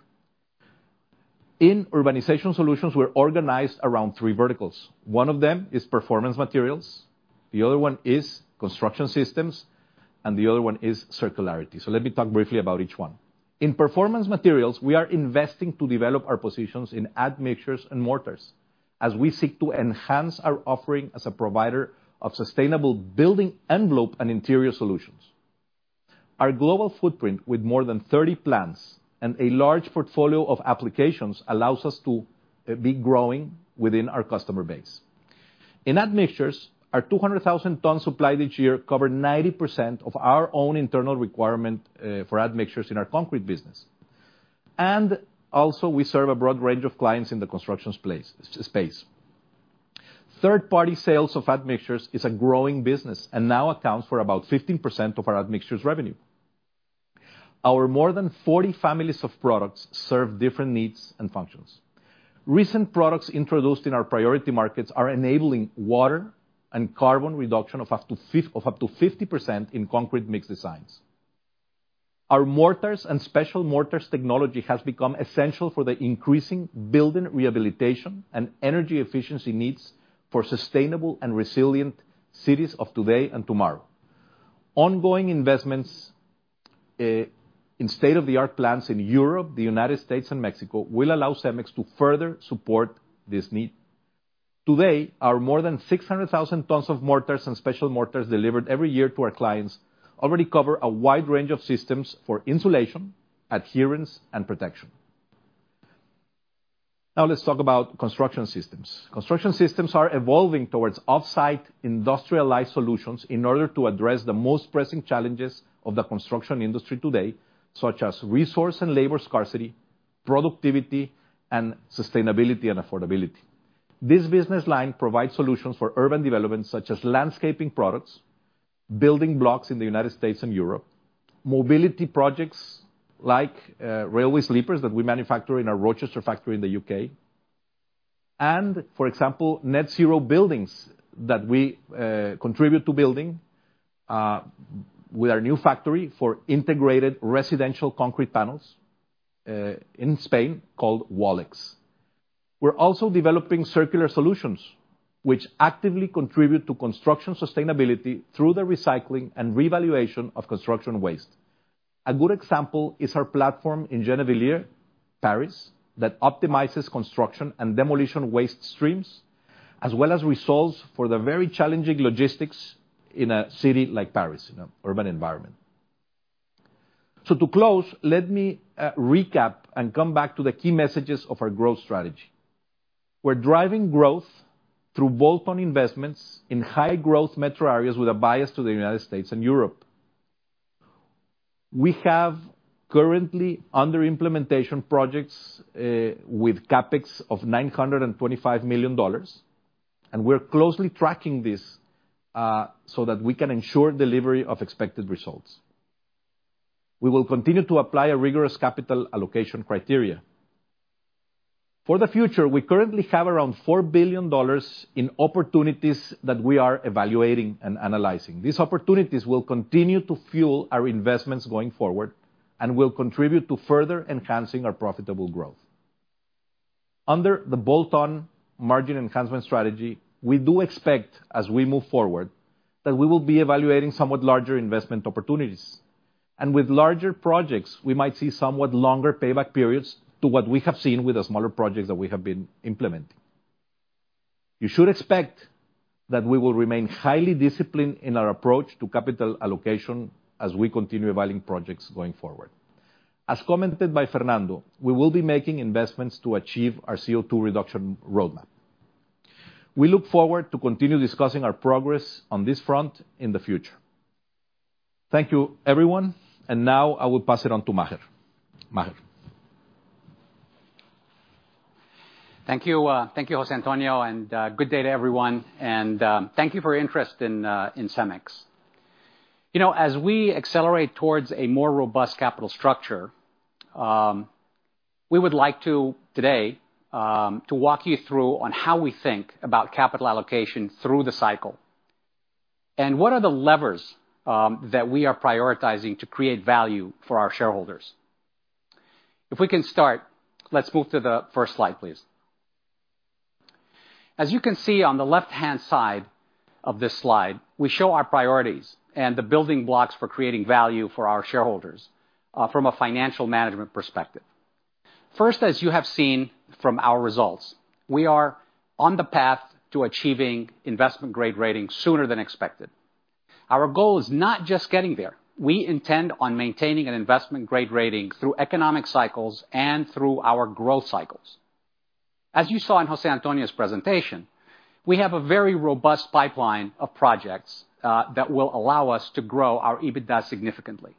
In Urbanization Solutions, we're organized around three verticals. One of them is Performance Materials, the other one is Construction Systems, and the other one is Circularity. Let me talk briefly about each one. In Performance Materials, we are investing to develop our positions in admixtures and mortars as we seek to enhance our offering as a provider of sustainable building envelope and interior solutions. Our global footprint with more than 30 plants and a large portfolio of applications allows us to be growing within our customer base. In admixtures, our 200,000 tons supplied each year cover 90% of our own internal requirement for admixtures in our concrete business. Also we serve a broad range of clients in the construction space. Third-party sales of admixtures is a growing business and now accounts for about 15% of our admixtures revenue. Our more than 40 families of products serve different needs and functions. Recent products introduced in our priority markets are enabling water and carbon reduction of up to 50% in concrete mix designs. Our mortars and special mortars technology has become essential for the increasing building rehabilitation and energy efficiency needs for sustainable and resilient cities of today and tomorrow. Ongoing investments in state-of-the-art plants in Europe, the U.S., and Mexico will allow CEMEX to further support this need. Today, our more than 600,000 tons of mortars and special mortars delivered every year to our clients already cover a wide range of systems for insulation, adherence, and protection. Let's talk about construction systems. Construction systems are evolving towards off-site industrialized solutions in order to address the most pressing challenges of the construction industry today, such as resource and labor scarcity, productivity, sustainability, and affordability. This business line provides solutions for urban development such as landscaping products, building blocks in the United States and Europe, mobility projects like railway sleepers that we manufacture in our Rochester factory in the U.K. For example, net zero buildings that we contribute to building with our new factory for integrated residential concrete panels, in Spain called Wallex. We're also developing circular solutions, which actively contribute to construction sustainability through the recycling and revaluation of construction waste. A good example is our platform in Gennevilliers, Paris, that optimizes construction and demolition waste streams, as well as resolves for the very challenging logistics in a city like Paris, in an urban environment. To close, let me recap and come back to the key messages of our growth strategy. We're driving growth through bolt-on investments in high growth metro areas with a bias to the U.S. and Europe. We have currently under implementation projects with CapEx of $925 million, and we're closely tracking this, so that we can ensure delivery of expected results. We will continue to apply a rigorous capital allocation criteria. For the future, we currently have around $4 billion in opportunities that we are evaluating and analyzing. These opportunities will continue to fuel our investments going forward and will contribute to further enhancing our profitable growth. Under the bolt-on margin enhancement strategy, we do expect as we move forward that we will be evaluating somewhat larger investment opportunities. With larger projects, we might see somewhat longer payback periods to what we have seen with the smaller projects that we have been implementing. You should expect that we will remain highly disciplined in our approach to capital allocation as we continue evaluating projects going forward. As commented by Fernando, we will be making investments to achieve our CO2 reduction roadmap. We look forward to continue discussing our progress on this front in the future. Thank you, everyone. Now I will pass it on to Maher. Maher? Thank you, Jose Antonio, good day, everyone. Thank you for your interest in CEMEX. As we accelerate towards a more robust capital structure, we would like to today to walk you through on how we think about capital allocation through the cycle, and what are the levers that we are prioritizing to create value for our shareholders. If we can start, let's move to the first slide, please. As you can see on the left-hand side of this slide, we show our priorities and the building blocks for creating value for our shareholders from a financial management perspective. First, as you have seen from our results, we are on the path to achieving investment-grade rating sooner than expected. Our goal is not just getting there. We intend on maintaining an investment-grade rating through economic cycles and through our growth cycles. As you saw in Jose Antonio's presentation, we have a very robust pipeline of projects that will allow us to grow our EBITDA significantly.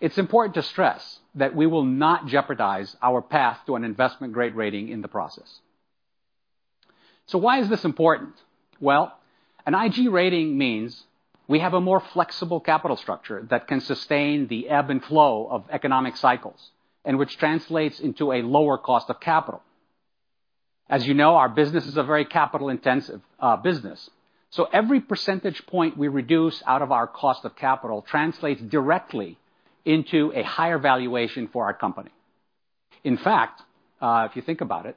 It's important to stress that we will not jeopardize our path to an investment-grade rating in the process. Why is this important? An IG rating means we have a more flexible capital structure that can sustain the ebb and flow of economic cycles, and which translates into a lower cost of capital. As you know, our business is a very capital-intensive business. Every percentage point we reduce out of our cost of capital translates directly into a higher valuation for our company. If you think about it,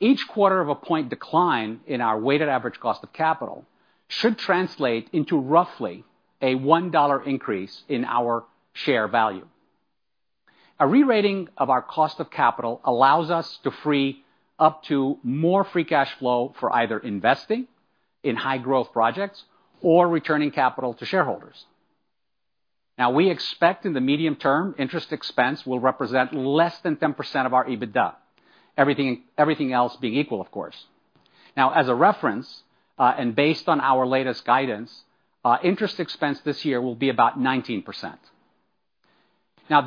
each quarter of a point decline in our weighted average cost of capital should translate into roughly a $1 increase in our share value. A rerating of our cost of capital allows us to free up to more free cash flow for either investing in high growth projects or returning capital to shareholders. We expect in the medium term, interest expense will represent less than 10% of our EBITDA. Everything else being equal, of course. As a reference, and based on our latest guidance, interest expense this year will be about 19%.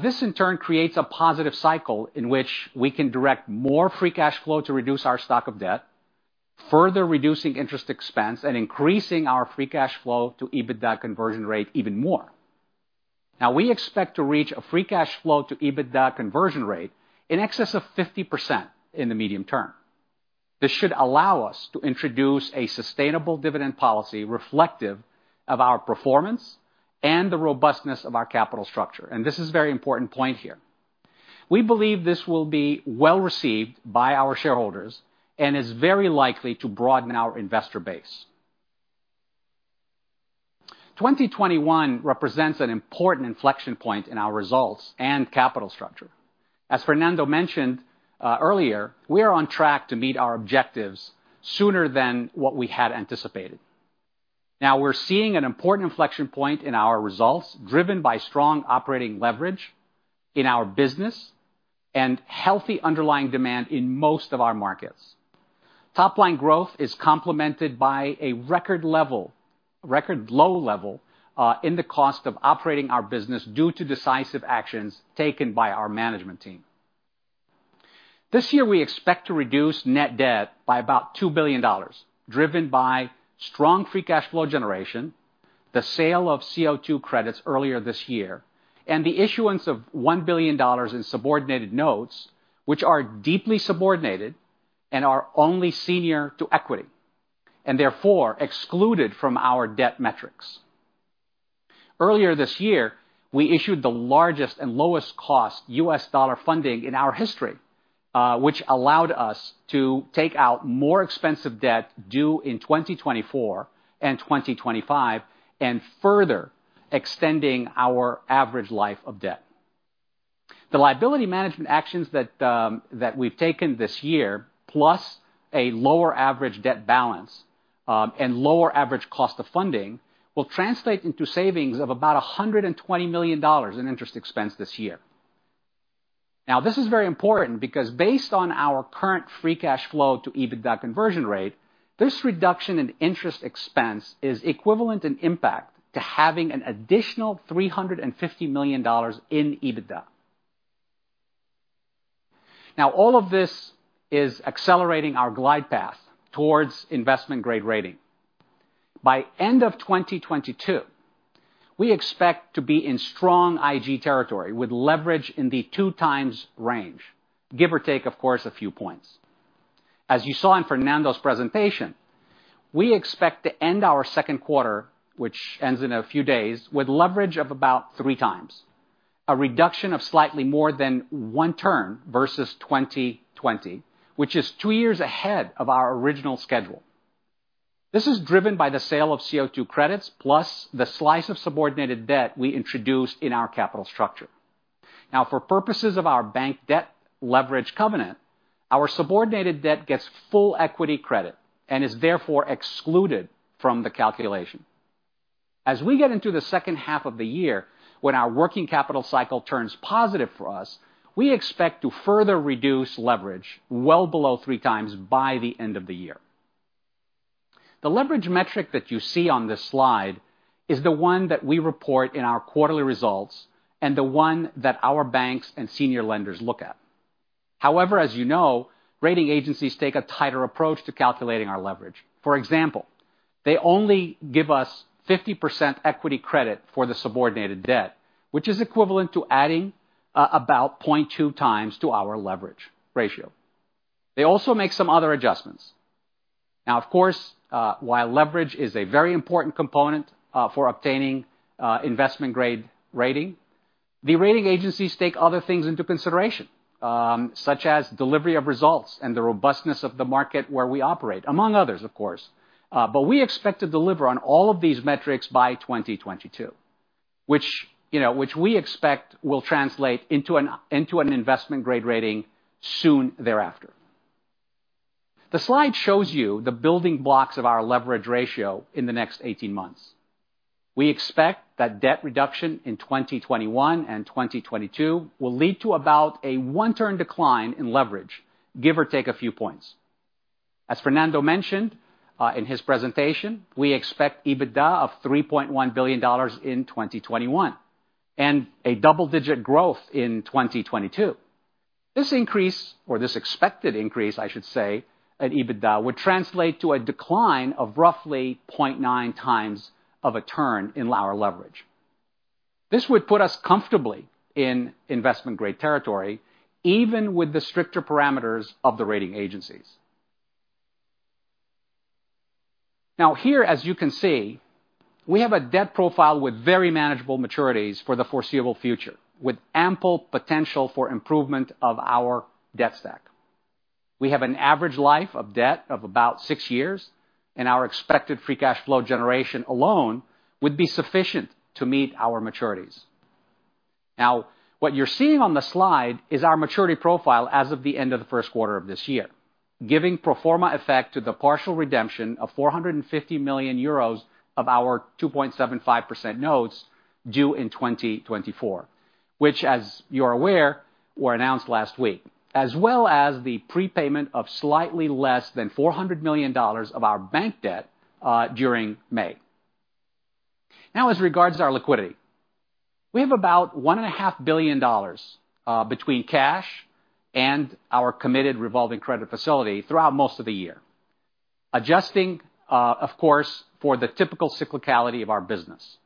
This in turn creates a positive cycle in which we can direct more free cash flow to reduce our stock of debt, further reducing interest expense and increasing our free cash flow to EBITDA conversion rate even more. We expect to reach a free cash flow to EBITDA conversion rate in excess of 50% in the medium term. This should allow us to introduce a sustainable dividend policy reflective of our performance and the robustness of our capital structure, and this is a very important point here. We believe this will be well-received by our shareholders and is very likely to broaden our investor base. 2021 represents an important inflection point in our results and capital structure. As Fernando mentioned earlier, we are on track to meet our objectives sooner than what we had anticipated. We're seeing an important inflection point in our results, driven by strong operating leverage in our business and healthy underlying demand in most of our markets. Topline growth is complemented by a record low level in the cost of operating our business due to decisive actions taken by our management team. This year, we expect to reduce net debt by about $2 billion, driven by strong free cash flow generation, the sale of CO2 credits earlier this year, and the issuance of $1 billion in subordinated notes, which are deeply subordinated and are only senior to equity, and therefore excluded from our debt metrics. Earlier this year, we issued the largest and lowest cost US dollar funding in our history, which allowed us to take out more expensive debt due in 2024 and 2025, and further extending our average life of debt. The liability management actions that we've taken this year, plus a lower average debt balance, and lower average cost of funding, will translate into savings of about $120 million in interest expense this year. This is very important because based on our current free cash flow to EBITDA conversion rate, this reduction in interest expense is equivalent in impact to having an additional $350 million in EBITDA. All of this is accelerating our glide path towards investment-grade rating. By end of 2022, we expect to be in strong IG territory with leverage in the 2x range, give or take, of course, a few points. As you saw in Fernando's presentation, we expect to end our second quarter, which ends in a few days, with leverage of about 3x, a reduction of slightly more than 1 turn versus 2020, which is two years ahead of our original schedule. This is driven by the sale of CO2 credits plus the slice of subordinated debt we introduced in our capital structure. For purposes of our bank debt leverage covenant, our subordinated debt gets full equity credit and is therefore excluded from the calculation. As we get into the second half of the year, when our working capital cycle turns positive for us, we expect to further reduce leverage well below 3x by the end of the year. The leverage metric that you see on this slide is the one that we report in our quarterly results and the one that our banks and senior lenders look at. However, as you know, rating agencies take a tighter approach to calculating our leverage. For example, they only give us 50% equity credit for the subordinated debt, which is equivalent to adding about 0.2 times to our leverage ratio. They also make some other adjustments. Now, of course, while leverage is a very important component for obtaining investment-grade rating, the rating agencies take other things into consideration, such as delivery of results and the robustness of the market where we operate, among others, of course. We expect to deliver on all of these metrics by 2022, which we expect will translate into an investment-grade rating soon thereafter. The slide shows you the building blocks of our leverage ratio in the next 18 months. We expect that debt reduction in 2021 and 2022 will lead to about a 1 ton decline in leverage, give or take a few points. As Fernando mentioned in his presentation, we expect EBITDA of $3.1 billion in 2021, and a double-digit growth in 2022. This increase, or this expected increase, I should say, in EBITDA would translate to a decline of roughly 0.9x of a turn in our leverage. This would put us comfortably in investment-grade territory, even with the stricter parameters of the rating agencies. Here, as you can see, we have a debt profile with very manageable maturities for the foreseeable future, with ample potential for improvement of our debt stack. We have an average life of debt of about 6 years, our expected free cash flow generation alone would be sufficient to meet our maturities. What you're seeing on the slide is our maturity profile as of the end of the first quarter of this year, giving pro forma effect to the partial redemption of 450 million euros of our 2.75% notes due in 2024, which, as you're aware, were announced last week, as well as the prepayment of slightly less than $400 million of our bank debt during May. As regards our liquidity, we have about $1.5 billion between cash and our committed revolving credit facility throughout most of the year. Adjusting, of course, for the typical cyclicality of our business.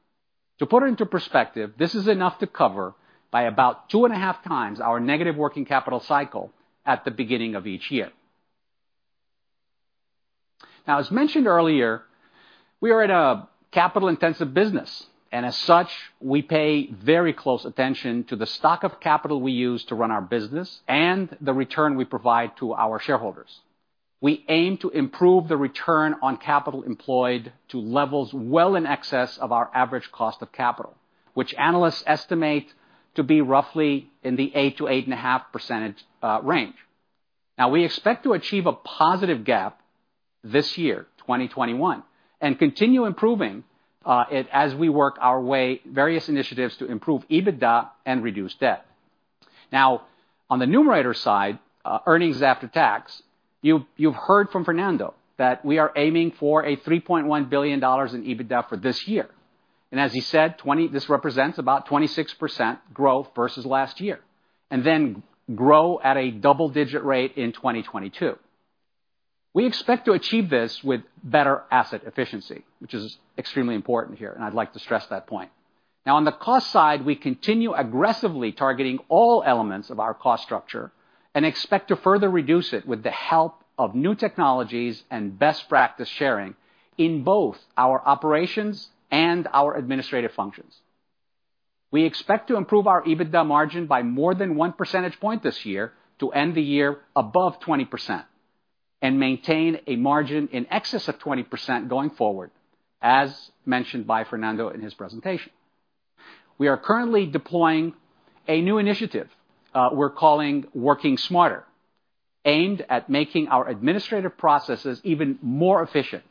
To put into perspective, this is enough to cover by about 2.5x Our negative working capital cycle at the beginning of each year. As mentioned earlier, we are in a capital-intensive business, and as such, we pay very close attention to the stock of capital we use to run our business and the return we provide to our shareholders. We aim to improve the Return on Capital Employed to levels well in excess of our average Cost of Capital, which analysts estimate to be roughly in the 8%-8.5% range. We expect to achieve a positive gap this year, 2021, and continue improving it as we work our way various initiatives to improve EBITDA and reduce debt. On the numerator side, earnings after tax, you've heard from Fernando that we are aiming for a $3.1 billion in EBITDA for this year. As he said, this represents about 26% growth versus last year, grow at a double-digit rate in 2022. We expect to achieve this with better asset efficiency, which is extremely important here, and I'd like to stress that point. On the cost side, we continue aggressively targeting all elements of our cost structure and expect to further reduce it with the help of new technologies and best practice sharing in both our operations and our administrative functions. We expect to improve our EBITDA margin by more than 1 percentage point this year to end the year above 20% and maintain a margin in excess of 20% going forward, as mentioned by Fernando in his presentation. We are currently deploying a new initiative we're calling Working Smarter, aimed at making our administrative processes even more efficient.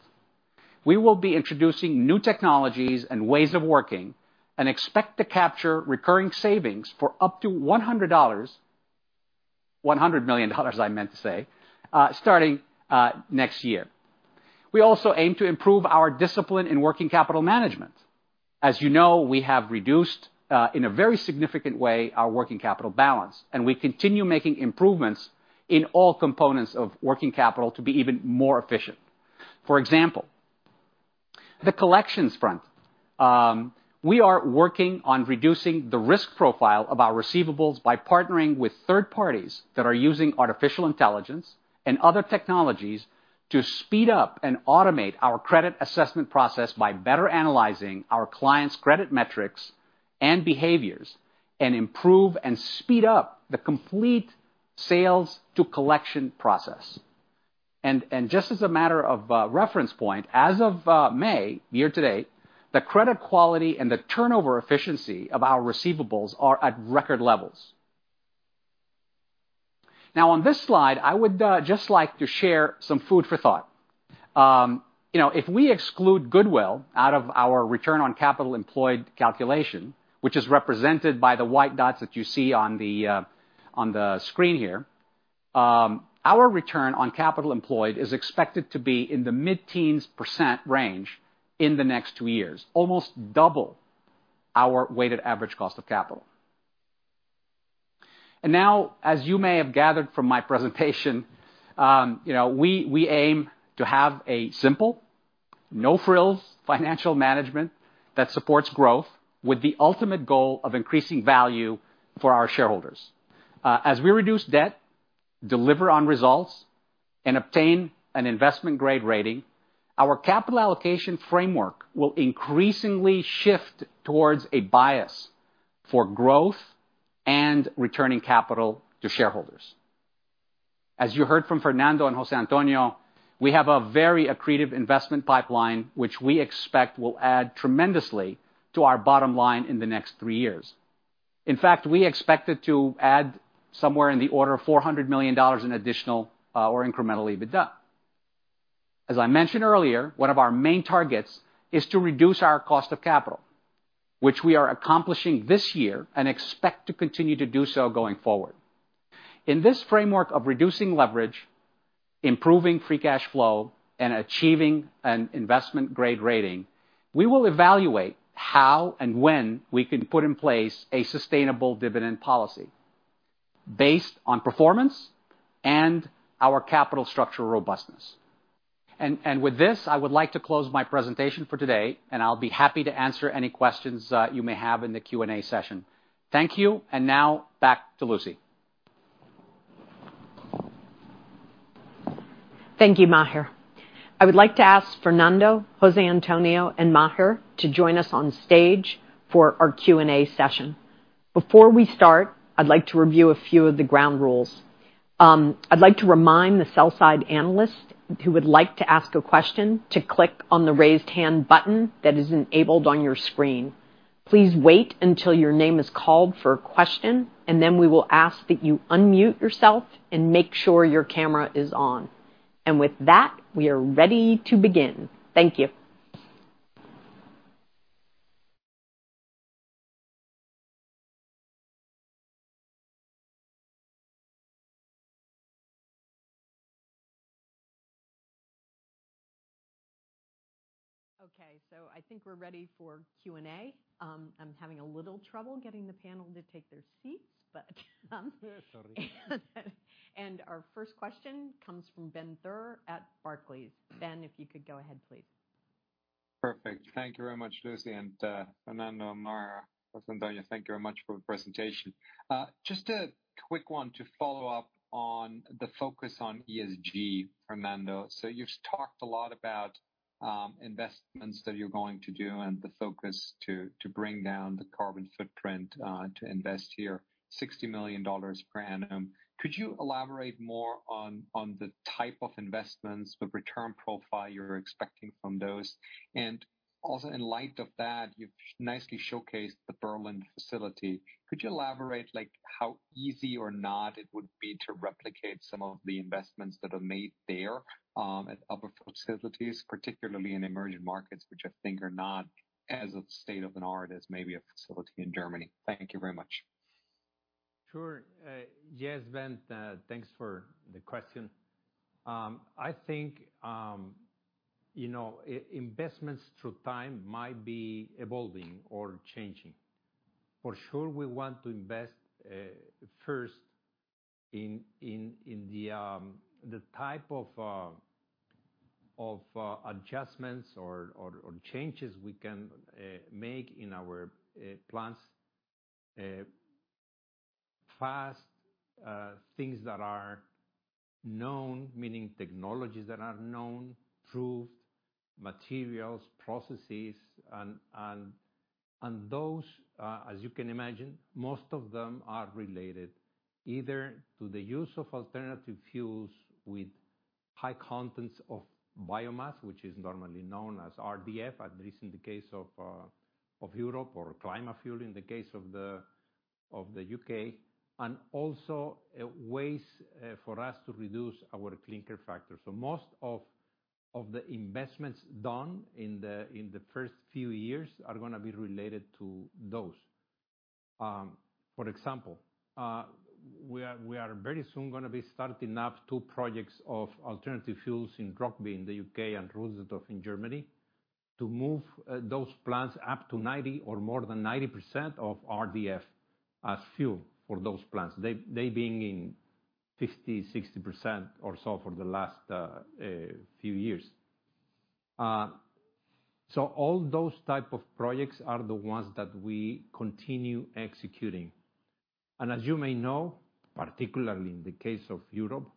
We will be introducing new technologies and ways of working, and expect to capture recurring savings for up to $100 million I meant to say, starting next year. We also aim to improve our discipline in working capital management. As you know, we have reduced, in a very significant way, our working capital balance, and we continue making improvements in all components of working capital to be even more efficient. For example, the collections front. We are working on reducing the risk profile of our receivables by partnering with third parties that are using artificial intelligence and other technologies to speed up and automate our credit assessment process by better analyzing our clients' credit metrics and behaviors, and improve and speed up the complete sales to collection process. Just as a matter of reference point, as of May, year to date, the credit quality and the turnover efficiency of our receivables are at record levels. On this slide, I would just like to share some food for thought. If we exclude goodwill out of our return on capital employed calculation, which is represented by the white dots that you see on the screen here, our return on capital employed is expected to be in the mid-teens percent range in the next two years, almost double our weighted average cost of capital. Now, as you may have gathered from my presentation, we aim to have a simple, no-frills financial management that supports growth with the ultimate goal of increasing value for our shareholders. As we reduce debt, deliver on results, and obtain an investment-grade rating, our capital allocation framework will increasingly shift towards a bias for growth and returning capital to shareholders. As you heard from Fernando and Jose Antonio, we have a very accretive investment pipeline which we expect will add tremendously to our bottom line in the next three years. In fact, we expect it to add somewhere in the order of $400 million in additional or incremental EBITDA. As I mentioned earlier, one of our main targets is to reduce our cost of capital, which we are accomplishing this year and expect to continue to do so going forward. In this framework of reducing leverage, improving free cash flow, and achieving an investment-grade rating, we will evaluate how and when we can put in place a sustainable dividend policy based on performance and our capital structure robustness. With this, I would like to close my presentation for today, and I'll be happy to answer any questions that you may have in the Q&A session. Thank you, now back to Lucy. Thank you, Maher. I would like to ask Fernando, Jose Antonio, and Maher to join us on stage for our Q&A session. Before we start, I'd like to review a few of the ground rules. I'd like to remind the sell-side analysts who would like to ask a question to click on the raise hand button that is enabled on your screen. Please wait until your name is called for a question, and then we will ask that you unmute yourself and make sure your camera is on. With that, we are ready to begin. Thank you. I think we're ready for Q&A. I'm having a little trouble getting the panel to take their seats. Our first question comes from Ben Theurer at Barclays. Ben, if you could go ahead, please. Perfect. Thank you very much, Lucy, and Fernando and Maher. Jose Antonio, thank you very much for the presentation. Just a quick one to follow up on the focus on ESG, Fernando. You've talked a lot about investments that you're going to do and the focus to bring down the carbon footprint to invest your $60 million per annum. Could you elaborate more on the type of investments, the return profile you're expecting from those? Also in light of that, you've nicely showcased the Berlin facility. Could you elaborate like how easy or not it would be to replicate some of the investments that are made there at other facilities, particularly in emerging markets, which I think are not as state of the art as maybe a facility in Germany? Thank you very much. Sure. Yes, Ben, thanks for the question. I think investments through time might be evolving or changing. For sure, we want to invest first in the type of adjustments or changes we can make in our plants fast, things that are known, meaning technologies that are known, proved, materials, processes. Those, as you can imagine, most of them are related either to the use of alternative fuels with high contents of biomass, which is normally known as RDF, at least in the case of Europe or Climafuel in the case of the U.K., and also ways for us to reduce our clinker factor. Most of the investments done in the first few years are going to be related to those. For example, we are very soon going to be starting up two projects of alternative fuels in Rugby in the U.K. and Rüdersdorf in Germany to move those plants up to 90% or more than 90% of RDF as fuel for those plants. They've been in 50%, 60% or so for the last few years. All those type of projects are the ones that we continue executing. As you may know, particularly in the case of Europe,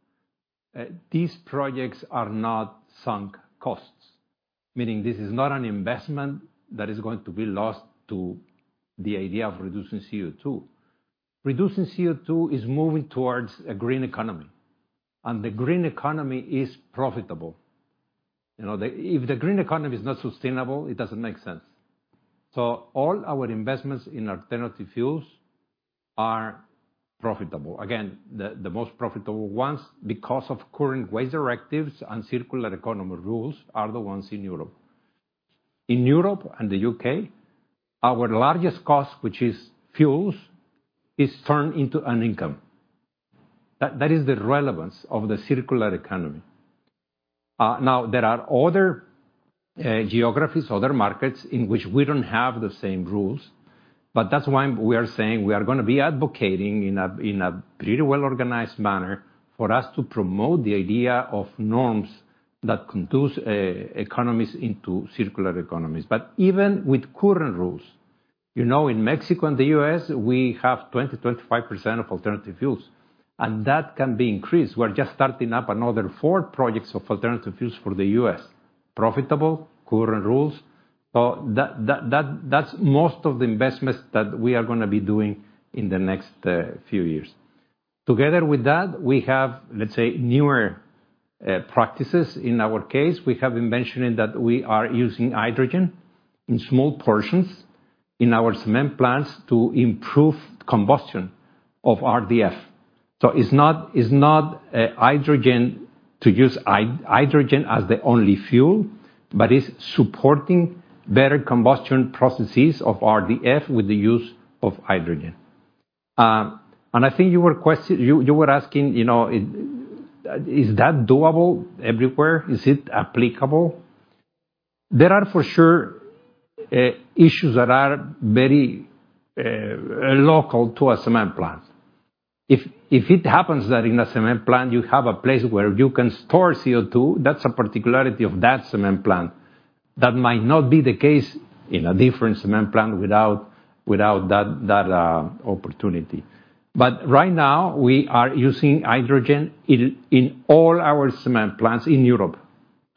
these projects are not sunk costs, meaning this is not an investment that is going to be lost to the idea of reducing CO2. Reducing CO2 is moving towards a green economy, and the green economy is profitable. If the green economy is not sustainable, it doesn't make sense. All our investments in alternative fuels are profitable. Again, the most profitable ones, because of current waste directives and circular economy rules, are the ones in Europe. In Europe and the U.K., our largest cost, which is fuels, is turned into an income. That is the relevance of the circular economy. There are other geographies, other markets in which we don't have the same rules, but that's why we are saying we are going to be advocating in a pretty well-organized manner for us to promote the idea of norms that conduce economies into circular economies. Even with current rules, in Mexico and the U.S., we have 20%, 25% of alternative fuels, and that can be increased. We're just starting up another four projects of alternative fuels for the U.S. Profitable, current rules. That's most of the investments that we are going to be doing in the next few years. Together with that, we have, let's say, newer practices. In our case, we have been mentioning that we are using hydrogen in small portions in our cement plants to improve combustion of RDF. It's not to use hydrogen as the only fuel, but it's supporting better combustion processes of RDF with the use of hydrogen. I think you were asking, is that doable everywhere? Is it applicable? There are for sure issues that are very local to a cement plant. If it happens that in a cement plant you have a place where you can store CO2, that's a particularity of that cement plant. That might not be the case in a different cement plant without that opportunity. Right now, we are using hydrogen in all our cement plants in Europe,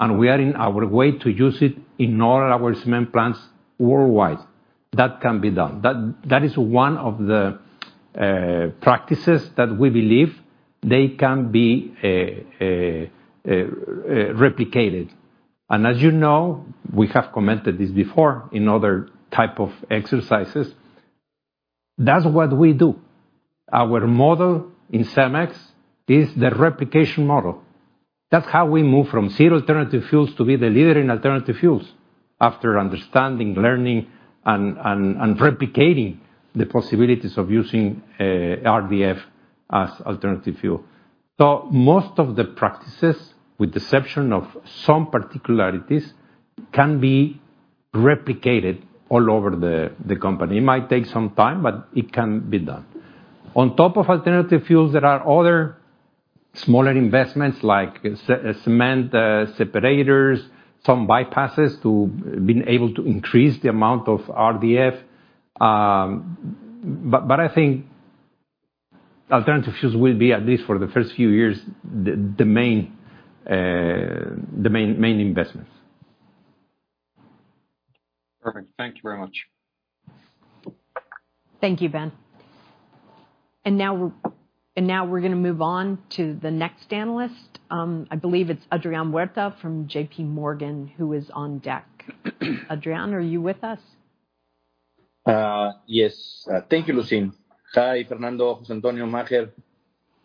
and we are on our way to use it in all our cement plants worldwide. That can be done. That is one of the practices that we believe can be replicated. As you know, we have commented this before in other type of exercises. That's what we do. Our model in CEMEX is the replication model. That's how we move from zero alternative fuels to be the leader in alternative fuels after understanding, learning, and replicating the possibilities of using RDF as alternative fuel. Most of the practices, with the exception of some particularities, can be replicated all over the company. It might take some time, but it can be done. On top of alternative fuels, there are other smaller investments like cement separators, some bypasses to be able to increase the amount of RDF, but I think alternative fuels will be at least for the first few years, the main investment. Perfect. Thank you very much. Thank you, Ben. Now we're going to move on to the next analyst. I believe it's Adrian Huerta from JPMorgan, who is on deck. Adrian, are you with us? Yes. Thank you, Lucy. Hi, Fernando, Antonio, Maher.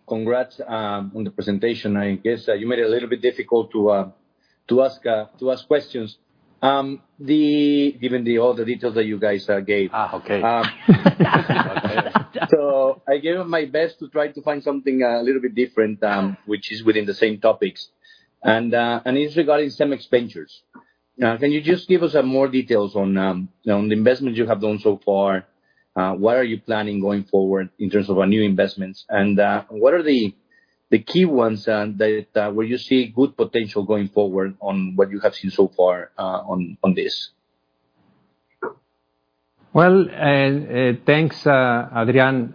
Congrats on the presentation. I guess you made it a little bit difficult to ask questions given all the details that you guys gave. Okay. I gave it my best to try to find something a little bit different, which is within the same topics, and it's regarding CEMEX Ventures. Can you just give us some more details on the investments you have done so far? What are you planning going forward in terms of new investments? What are the key ones that you see good potential going forward on what you have seen so far on this? Well, thanks, Adrian.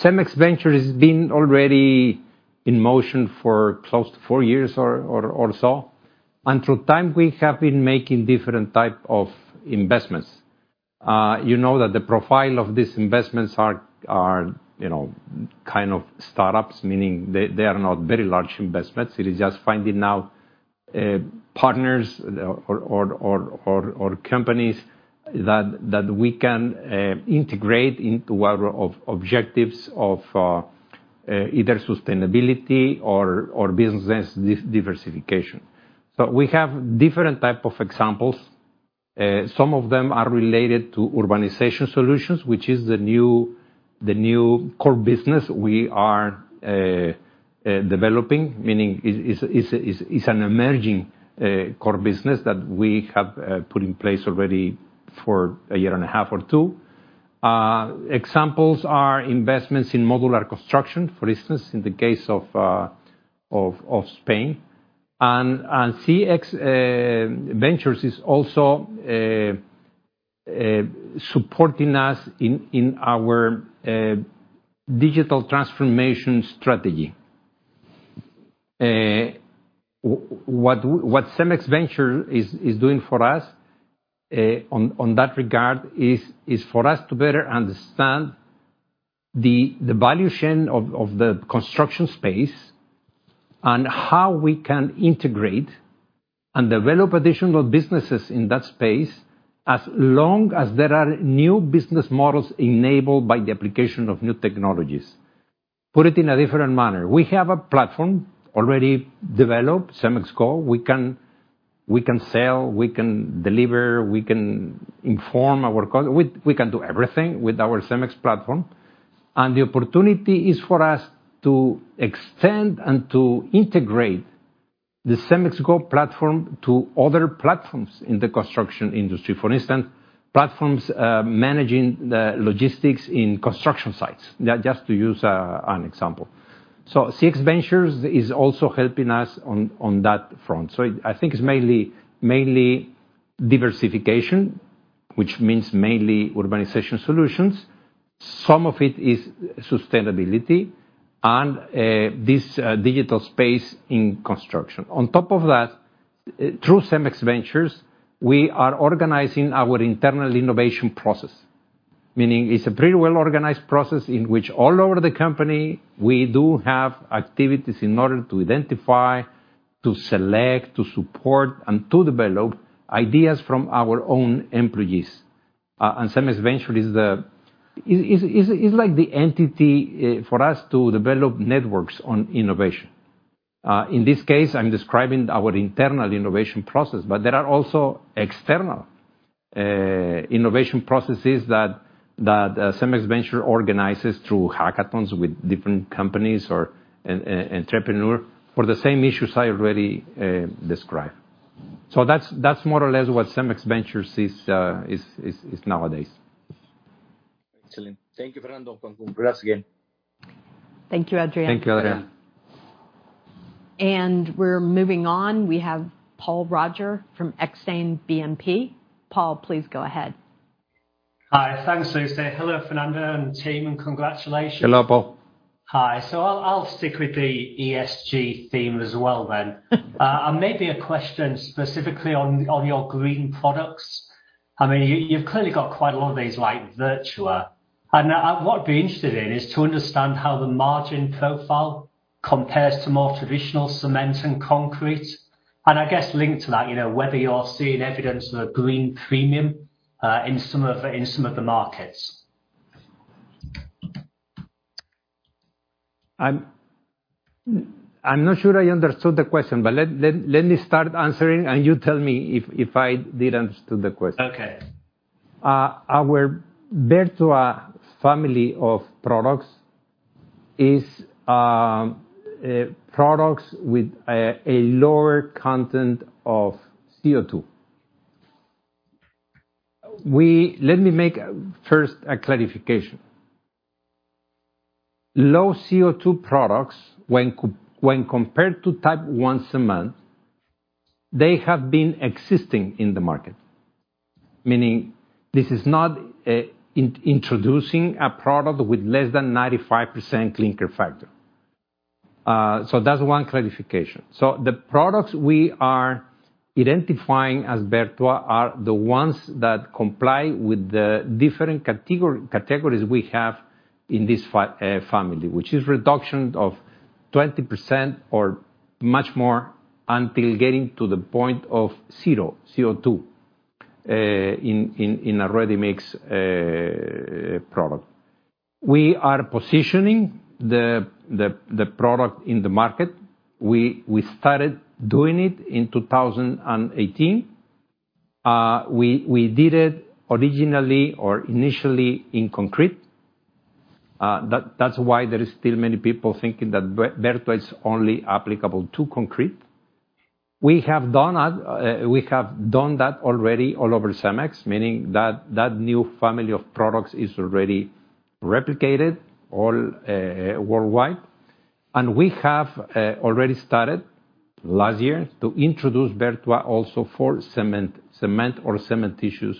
CEMEX Ventures has been already in motion for close to four years or so, and through time, we have been making different type of investments. You know that the profile of these investments are kind of startups, meaning they are not very large investments. It is just finding out partners or companies that we can integrate into our objectives of either sustainability or business diversification. We have different type of examples. Some of them are related to Urbanization Solutions, which is the new core business we are developing, meaning it's an emerging core business that we have put in place already for a year and a half or two. Examples are investments in modular construction, for instance, in the case of Spain. CEMEX Ventures is also supporting us in our digital transformation strategy. What CEMEX Ventures is doing for us on that regard is for us to better understand the value chain of the construction space and how we can integrate and develop additional businesses in that space, as long as there are new business models enabled by the application of new technologies. Put it in a different manner. We have a platform already developed, CEMEX Go. We can sell, we can deliver, we can inform our customer, we can do everything with our CEMEX platform. The opportunity is for us to extend and to integrate the CEMEX Go platform to other platforms in the construction industry. For instance, platforms managing logistics in construction sites, just to use an example. CEMEX Ventures is also helping us on that front. I think it's mainly diversification, which means mainly Urbanization Solutions. Some of it is sustainability and this digital space in construction. On top of that, through CEMEX Ventures, we are organizing our internal innovation process, meaning it's a very well-organized process in which all over the company, we do have activities in order to identify, to select, to support, and to develop ideas from our own employees. CEMEX Ventures is like the entity for us to develop networks on innovation. In this case, I'm describing our internal innovation process, there are also external innovation processes that CEMEX Ventures organizes through hackathons with different companies or entrepreneurs for the same issues I already described. That's more or less what CEMEX Ventures is nowadays. Excellent. Thank you, Fernando. Thanks again. Thank you, Adrian Thank you, Adrian. We're moving on. We have Paul Roger from Exane BNP. Paul, please go ahead. Hi. Thanks, Lucy. Hello, Fernando and team, and congratulations. Hello, Paul. Hi. I'll stick with the ESG theme as well then. Maybe a question specifically on your green products. You've clearly got quite a lot of these, like Vertua. What I'd be interested in is to understand how the margin profile compares to more traditional cement and concrete, and I guess linked to that, whether you're seeing evidence of a green premium in some of the markets. I'm not sure I understood the question, but let me start answering, and you tell me if I didn't understand the question. Okay. Our Vertua family of products is products with a lower content of CO2. Let me make first a clarification. Low-CO2 products, when compared to type 1 cement, they have been existing in the market, meaning this is not introducing a product with less than 95% clinker factor. That's one clarification. The products we are identifying as Vertua are the ones that comply with the different categories we have in this family, which is reduction of 20% or much more until getting to the point of 0 CO2 in a ready-mix product. We are positioning the product in the market. We started doing it in 2018. We did it originally or initially in concrete. That's why there is still many people thinking that Vertua is only applicable to concrete. We have done that already all over CEMEX, meaning that new family of products is already replicated worldwide. We have already started last year to introduce Vertua also for cement or cementitious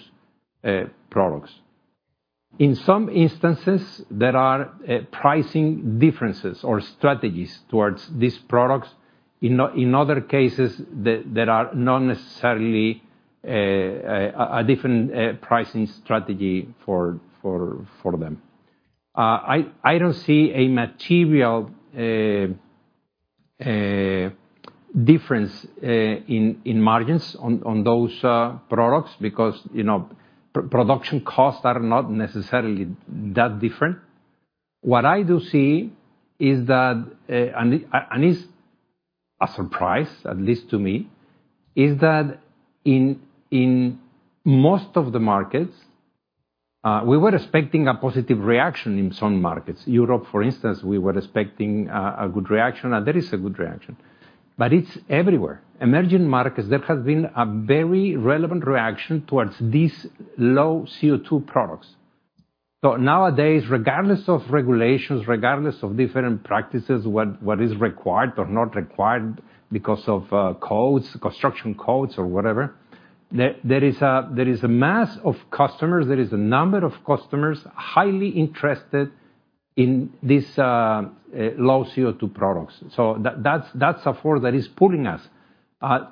products. In some instances, there are pricing differences or strategies towards these products. In other cases, there are not necessarily a different pricing strategy for them. I don't see a material difference in margins on those products because production costs are not necessarily that different. What I do see is that, and it's a surprise, at least to me, is that in most of the markets, we were expecting a positive reaction in some markets. Europe, for instance, we were expecting a good reaction, and there is a good reaction. It's everywhere. Emerging markets, there has been a very relevant reaction towards these low CO2 products. Nowadays, regardless of regulations, regardless of different practices, what is required or not required because of codes, construction codes or whatever, there is a mass of customers, there is a number of customers, highly interested in these low CO2 products. That's a force that is pulling us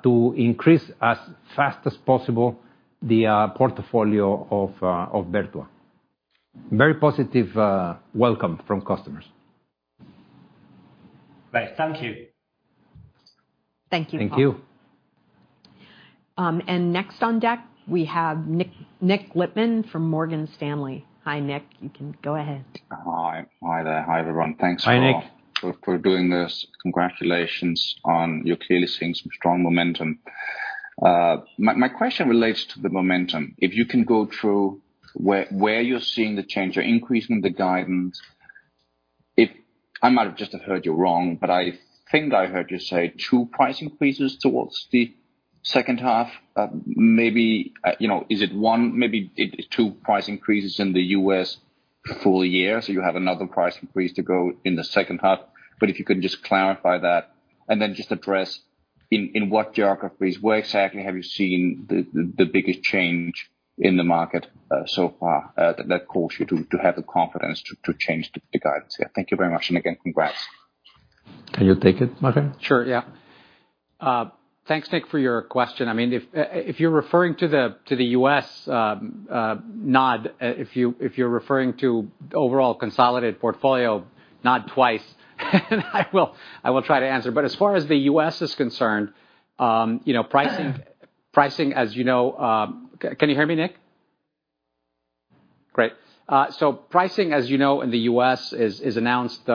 to increase as fast as possible the portfolio of Vertua. Very positive welcome from customers. Great. Thank you. Thank you. Thank you. Next on deck, we have Nick Lippmann from Morgan Stanley. Hi, Nick. You can go ahead. Hi there. Hi, everyone. Hi, Nick. for doing this. Congratulations on, you're clearly seeing some strong momentum. My question relates to the momentum. If you can go through where you're seeing the change or increase in the guidance. I might have just heard you wrong, but I think I heard you say two price increases towards the second half. Maybe, is it one, maybe two price increases in the U.S. full year, so you have another price increase to go in the second half. If you can just clarify that and then just address in what geographies, where exactly have you seen the biggest change in the market so far that caused you to have the confidence to change the guidance? Yeah, thank you very much. Again, congrats. Can you take it, Maher? Sure, yeah. Thanks, Nick for your question. If you're referring to the U.S. nod, if you're referring to overall consolidated portfolio nod twice, I will try to answer. As far as the U.S. is concerned, pricing, as you know. Can you hear me, Nick? Great. Pricing, as you know, in the U.S. is announced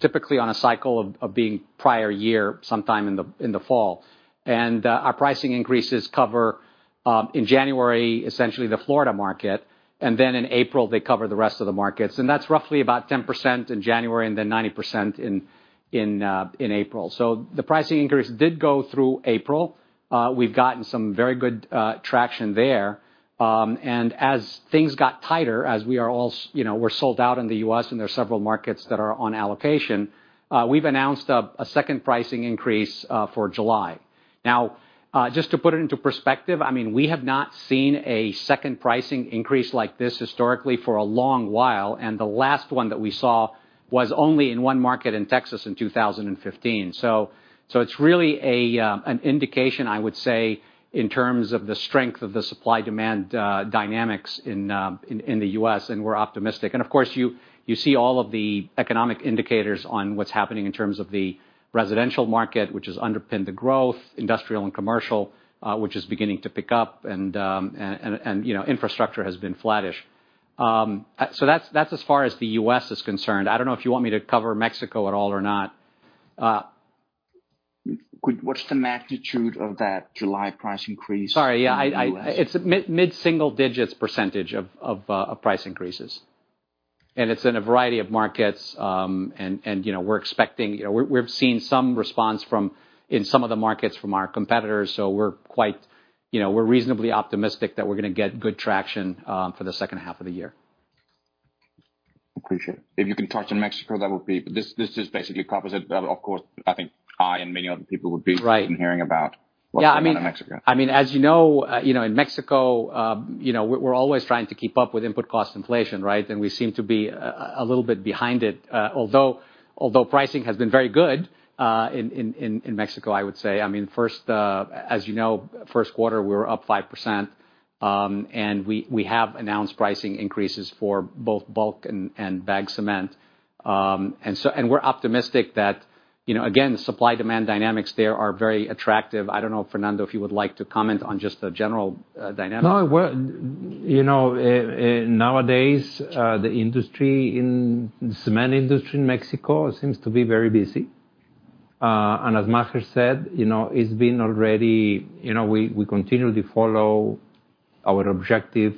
typically on a cycle of being prior year, sometime in the fall. Our pricing increases cover, in January, essentially the Florida market, and then in April, they cover the rest of the markets. That's roughly about 10% in January and then 90% in April. The pricing increase did go through April. We've gotten some very good traction there. As things got tighter, as we're sold out in the U.S. and there are several markets that are on allocation, we've announced a second pricing increase for July. Just to put it into perspective, we have not seen a second pricing increase like this historically for a long while, and the last one that we saw was only in one market in Texas in 2015. It's really an indication, I would say, in terms of the strength of the supply-demand dynamics in the U.S., and we're optimistic. Of course, you see all of the economic indicators on what's happening in terms of the residential market, which has underpinned the growth, industrial and commercial, which is beginning to pick up, and infrastructure has been flattish. That's as far as the U.S. is concerned. I don't know if you want me to cover Mexico at all or not. Quick, what's the magnitude of that July price increase in the U.S.? Sorry. It's mid-single digits percentage of price increases. It's in a variety of markets, and we've seen some response in some of the markets from our competitors. We're reasonably optimistic that we're going to get good traction for the second half of the year. Appreciate it. If you can touch on Mexico, This is basically a comment. Right Interested in hearing about. What's happening in Mexico? As you know, in Mexico, we're always trying to keep up with input cost inflation. We seem to be a little bit behind it, although pricing has been very good in Mexico, I would say. As you know, 1st quarter, we were up 5%, and we have announced pricing increases for both bulk and bag cement. We're optimistic that, again, supply-demand dynamics there are very attractive. I don't know, Fernando, if you would like to comment on just the general dynamic. No. Nowadays, the cement industry in Mexico seems to be very busy. As Maher said, we continually follow our objective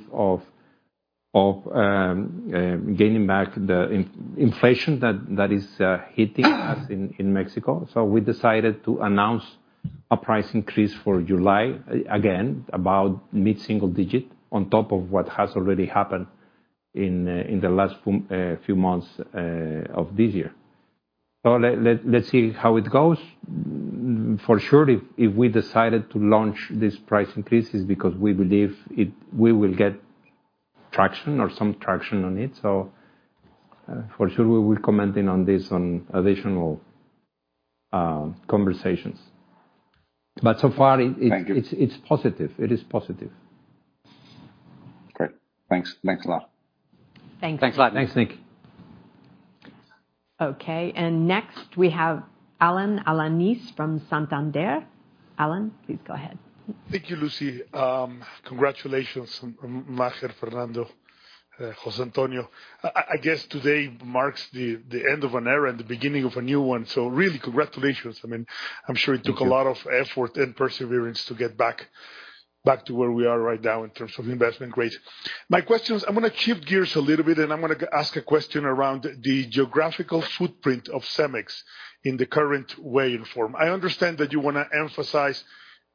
of gaining back the inflation that is hitting us in Mexico. We decided to announce a price increase for July, again, about mid-single digit on top of what has already happened in the last few months of this year. Let's see how it goes. For sure, if we decided to launch these price increases because we believe we will get some traction on it. For sure, we will be commenting on this on additional conversations. Thank you. It's positive. Great. Thanks a lot. Thanks. Thanks a lot. Thanks, Nick. Okay. Next we have Alan Alanis from Santander. Alan, please go ahead. Thank you, Lucy. Congratulations, Maher, Fernando, Jose Antonio. I guess today marks the end of an era and the beginning of a new one. Really congratulations. I'm sure it took a lot of effort and perseverance to get back to where we are right now in terms of investment grades. My question is, I'm going to shift gears a little bit, I'm going to ask a question around the geographical footprint of CEMEX in the current way and form. I understand that you want to emphasize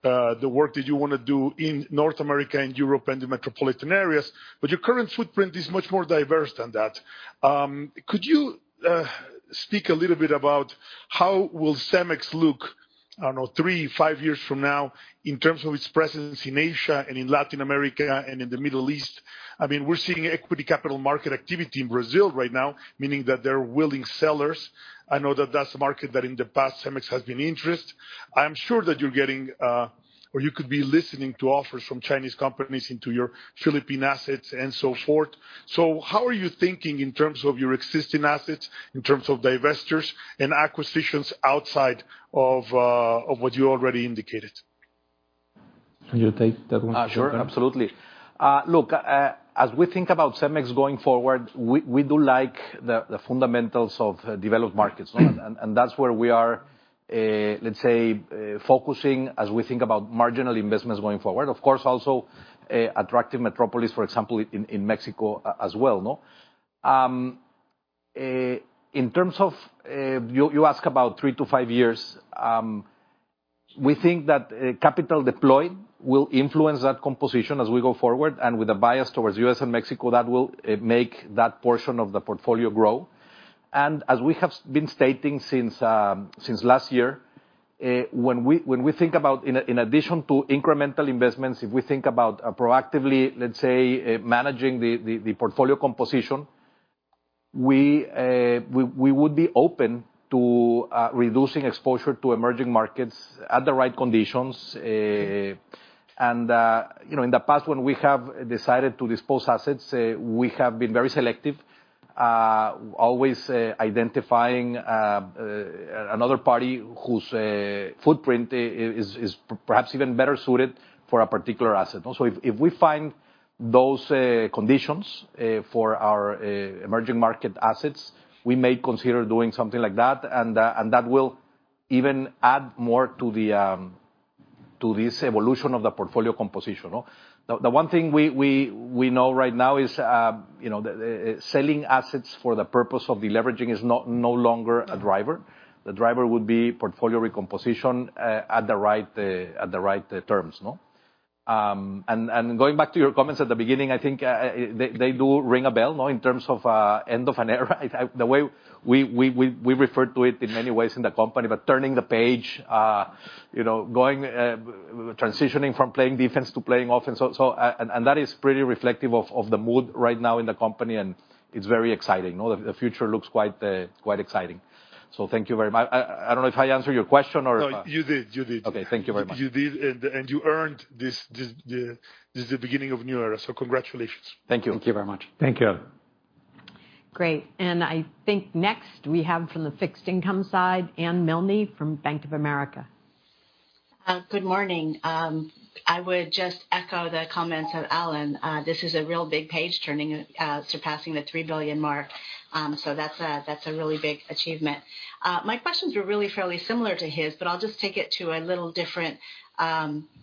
the work that you want to do in North America and Europe and the metropolitan areas. Your current footprint is much more diverse than that. Could you speak a little bit about how will CEMEX look, I don't know, three, five years from now in terms of its presence in Asia and in Latin America and in the Middle East? We're seeing equity capital market activity in Brazil right now, meaning that there are willing sellers. I know that that's a market that in the past CEMEX has been interested. I'm sure that you're getting, or you could be listening to offers from Chinese companies into your Philippine assets and so forth. How are you thinking in terms of your existing assets, in terms of divestitures and acquisitions outside of what you already indicated? Can you take that one? Sure, absolutely. As we think about CEMEX going forward, we do like the fundamentals of developed markets. That's where we are focusing as we think about marginal investments going forward. Of course, also attractive metropolis, for example, in Mexico as well. You ask about three to five years. We think that capital deployed will influence that composition as we go forward, with a bias towards U.S. and Mexico, that will make that portion of the portfolio grow. As we have been stating since last year, when we think about in addition to incremental investments, if we think about proactively managing the portfolio composition, we would be open to reducing exposure to emerging markets at the right conditions. In the past, when we have decided to dispose assets, we have been very selective, always identifying another party whose footprint is perhaps even better suited for a particular asset. If we find those conditions for our emerging market assets, we may consider doing something like that, and that will even add more to this evolution of the portfolio composition. The one thing we know right now is that selling assets for the purpose of deleveraging is no longer a driver. The driver would be portfolio recomposition at the right terms. Going back to your comments at the beginning, I think they do ring a bell in terms of end of an era, the way we refer to it in many ways in the company, but turning the page, transitioning from playing defense to playing offense. That is pretty reflective of the mood right now in the company, and it's very exciting. The future looks quite exciting. Thank you very much. I don't know if I answered your question or if. You did. Okay, thank you very much. You did, and you earned this. This is the beginning of a new era, so congratulations. Thank you. Thank you very much. Thank you. Great. I think next we have from the fixed income side, Anne Milne from Bank of America. Good morning. I would just echo the comments of Alan. This is a real big page-turning, surpassing the three billion mark. That's a really big achievement. My questions are really fairly similar to his, I'll just take it to a little different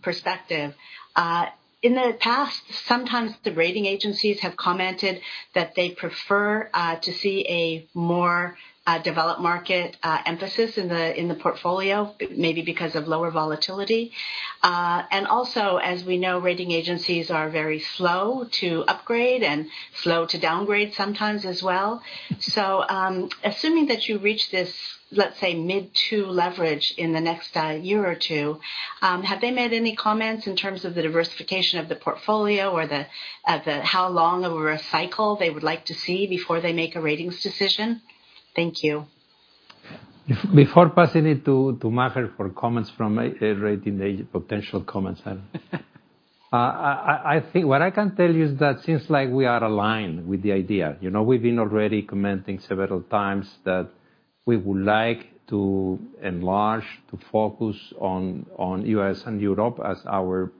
perspective. In the past, sometimes the rating agencies have commented that they prefer to see a more developed market emphasis in the portfolio, maybe because of lower volatility. Also, as we know, rating agencies are very slow to upgrade and slow to downgrade sometimes as well. Assuming that you reach this, let's say, mid-tier leverage in the next year or two, have they made any comments in terms of the diversification of the portfolio or how long of a cycle they would like to see before they make a ratings decision? Thank you. Before passing it to Maher for comments from a rating agency potential comments. What I can tell you is that seems like we are aligned with the idea. We've been already commenting several times that we would like to enlarge the focus on U.S. and Europe as our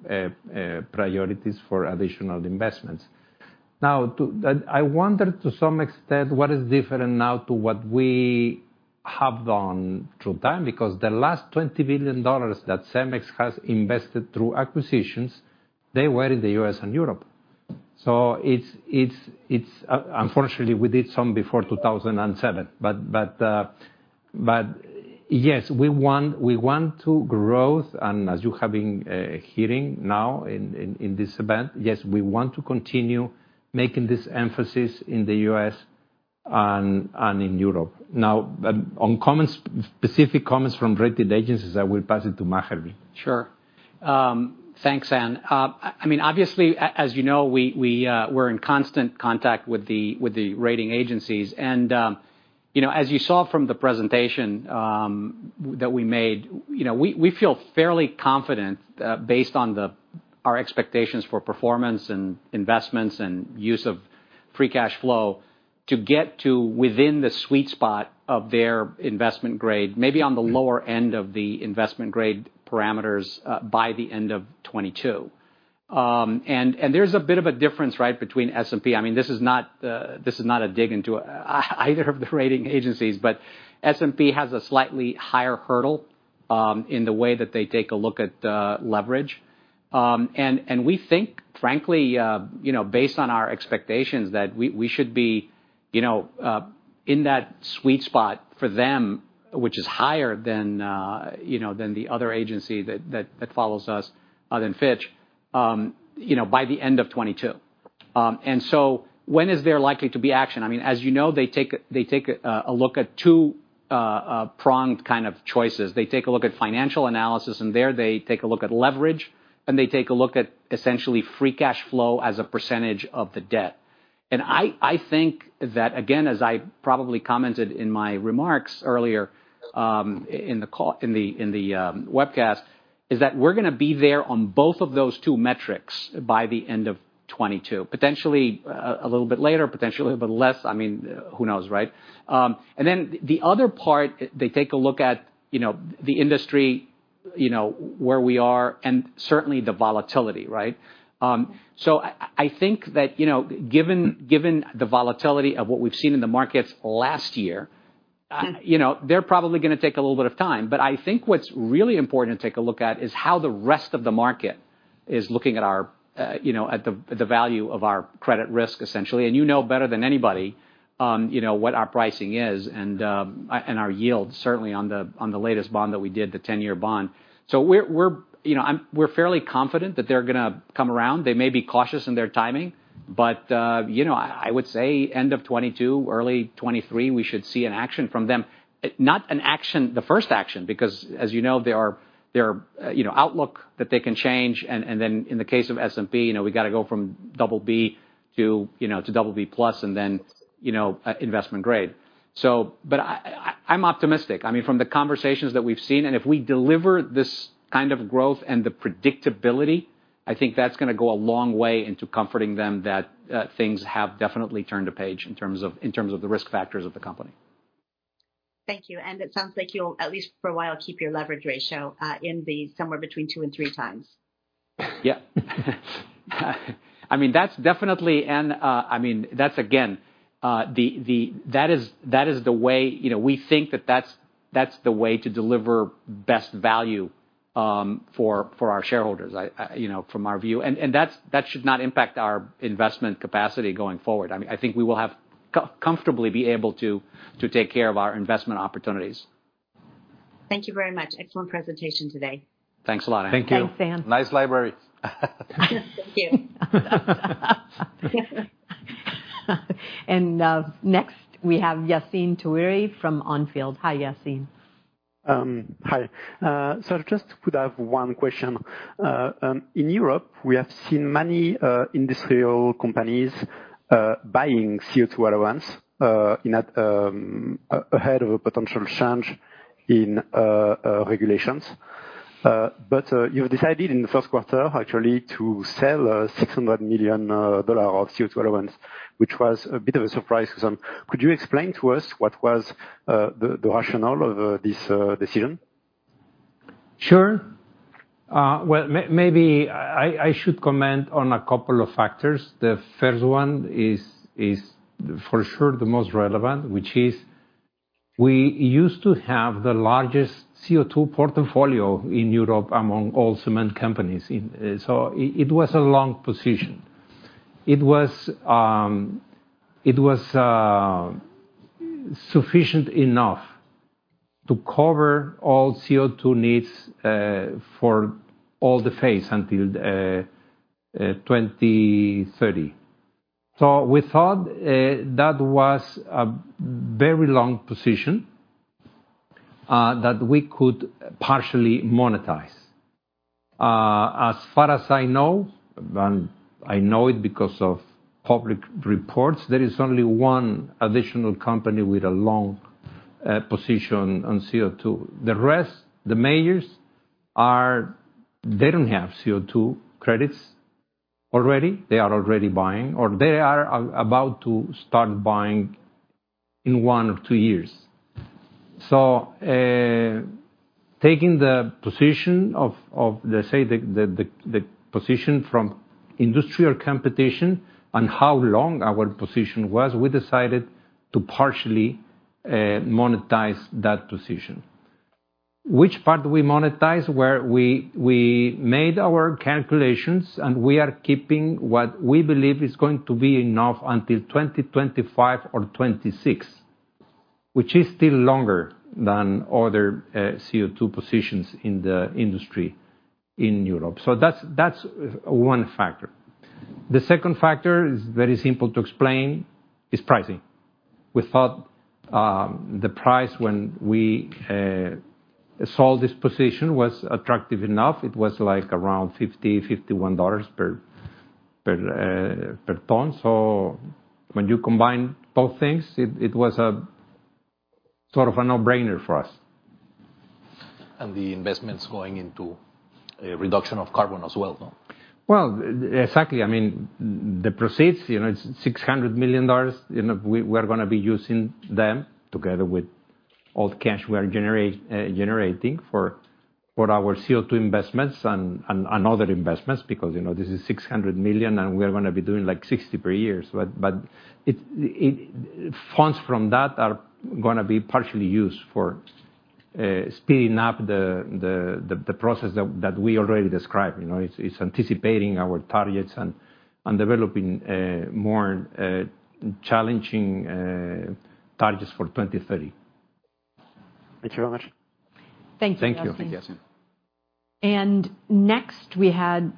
priorities for additional investments. I wonder to some extent what is different now to what we have done through time, because the last $20 billion that CEMEX has invested through acquisitions, they were in the U.S. and Europe. Unfortunately, we did some before 2007. Yes, we want to grow, and as you have been hearing now in this event, yes, we want to continue making this emphasis in the U.S. and in Europe. On specific comments from rating agencies, I will pass it to Maher. Sure. Thanks, Anne. Obviously, as you know, we're in constant contact with the rating agencies and As you saw from the presentation that we made, we feel fairly confident based on our expectations for performance and investments and use of free cash flow to get to within the sweet spot of their investment grade, maybe on the lower end of the investment grade parameters by the end of 2022. There's a bit of a difference between S&P. This is not a dig into either of the rating agencies, but S&P has a slightly higher hurdle in the way that they take a look at leverage. We think, frankly, based on our expectations, that we should be in that sweet spot for them, which is higher than the other agency that follows us, other than Fitch, by the end of 2022. When is there likely to be action? As you know, they take a look at two-pronged kind of choices. They take a look at financial analysis. There they take a look at leverage. They take a look at essentially free cash flow as a percentage of the debt. I think that, again, as I probably commented in my remarks earlier in the webcast, is that we're going to be there on both of those two metrics by the end of 2022. Potentially a little bit later, potentially a bit less, who knows? The other part, they take a look at the industry, where we are, and certainly the volatility. I think that given the volatility of what we've seen in the markets last year, they're probably going to take a little bit of time, but I think what's really important to take a look at is how the rest of the market is looking at the value of our credit risk, essentially. You know better than anybody what our pricing is and our yield, certainly on the latest bond that we did, the 10-year bond. We're fairly confident that they're going to come around. They may be cautious in their timing, but I would say end of 2022, early 2023, we should see an action from them. Not the first action, because as you know, their outlook that they can change, and then in the case of S&P, we got to go from BB to BB plus and then investment grade, but I'm optimistic. From the conversations that we've seen, and if we deliver this kind of growth and the predictability, I think that's going to go a long way into comforting them that things have definitely turned a page in terms of the risk factors of the company. Thank you. It sounds like you'll, at least for a while, keep your leverage ratio in somewhere between two and three times. Yeah. That is the way we think that's the way to deliver best value for our shareholders from our view. That should not impact our investment capacity going forward. I think we will comfortably be able to take care of our investment opportunities. Thank you very much. Excellent presentation today. Thanks a lot. Thank you. Nice library. Thank you. Next we have Yassine Touahri from On Field. Hi, Yassine. Hi. I just could have one question. In Europe, we have seen many industrial companies buying CO2 allowance ahead of a potential change in regulations. You decided in the first quarter, actually, to sell $600 million of CO2 allowance, which was a bit of a surprise to some. Could you explain to us what was the rationale of this decision? Sure. Well, maybe I should comment on a couple of factors. The first one is for sure the most relevant, which is we used to have the largest CO2 portfolio in Europe among all cement companies. It was a long position. It was sufficient enough to cover all CO2 needs for all the phase until 2030. We thought that was a very long position that we could partially monetize. As far as I know, and I know it because of public reports, there is only one additional company with a long position on CO2. The rest, the majors, they don't have CO2 credits already. They are already buying, or they are about to start buying in one or two years. Taking the position from industrial competition and how long our position was, we decided to partially monetize that position. Which part we monetize, we made our calculations, and we are keeping what we believe is going to be enough until 2025 or 2026, which is still longer than other CO2 positions in the industry in Europe. That's one factor. The second factor is very simple to explain, is pricing. We thought the price when we sold this position was attractive enough. It was around $50, $51 per- Per ton. When you combine both things, it was a sort of a no-brainer for us. The investment's going into a reduction of carbon as well, no? Well, exactly. I mean, the proceeds, it's $600 million. We are going to be using them together with all the cash we are generating for our CO2 investments and other investments because this is $600 million, and we're going to be doing like $60 per year. Funds from that are going to be partially used for speeding up the process that we already described. It's anticipating our targets and developing more challenging targets for 2030. Thank you very much. Thank you. Thank you Yassine Next we have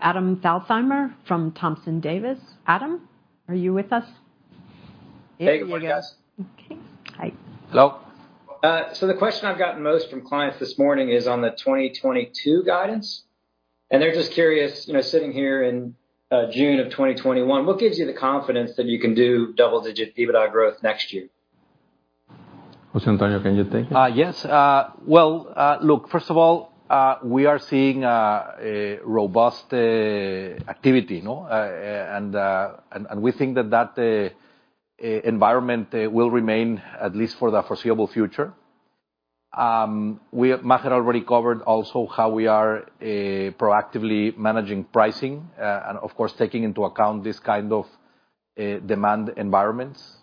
Adam Thalhimer from Thompson Davis & Co. Adam, are you with us? Hey, good morning, guys. Okay. Hi. The question I've gotten most from clients this morning is on the 2022 guidance, and they're just curious, sitting here in June of 2021, what gives you the confidence that you can do double-digit EBITDA growth next year? Jose Antonio, can you take it? Yes. Well, look, first of all, we are seeing a robust activity, and we think that environment will remain at least for the foreseeable future. Maher already covered also how we are proactively managing pricing and, of course, taking into account this kind of demand environments.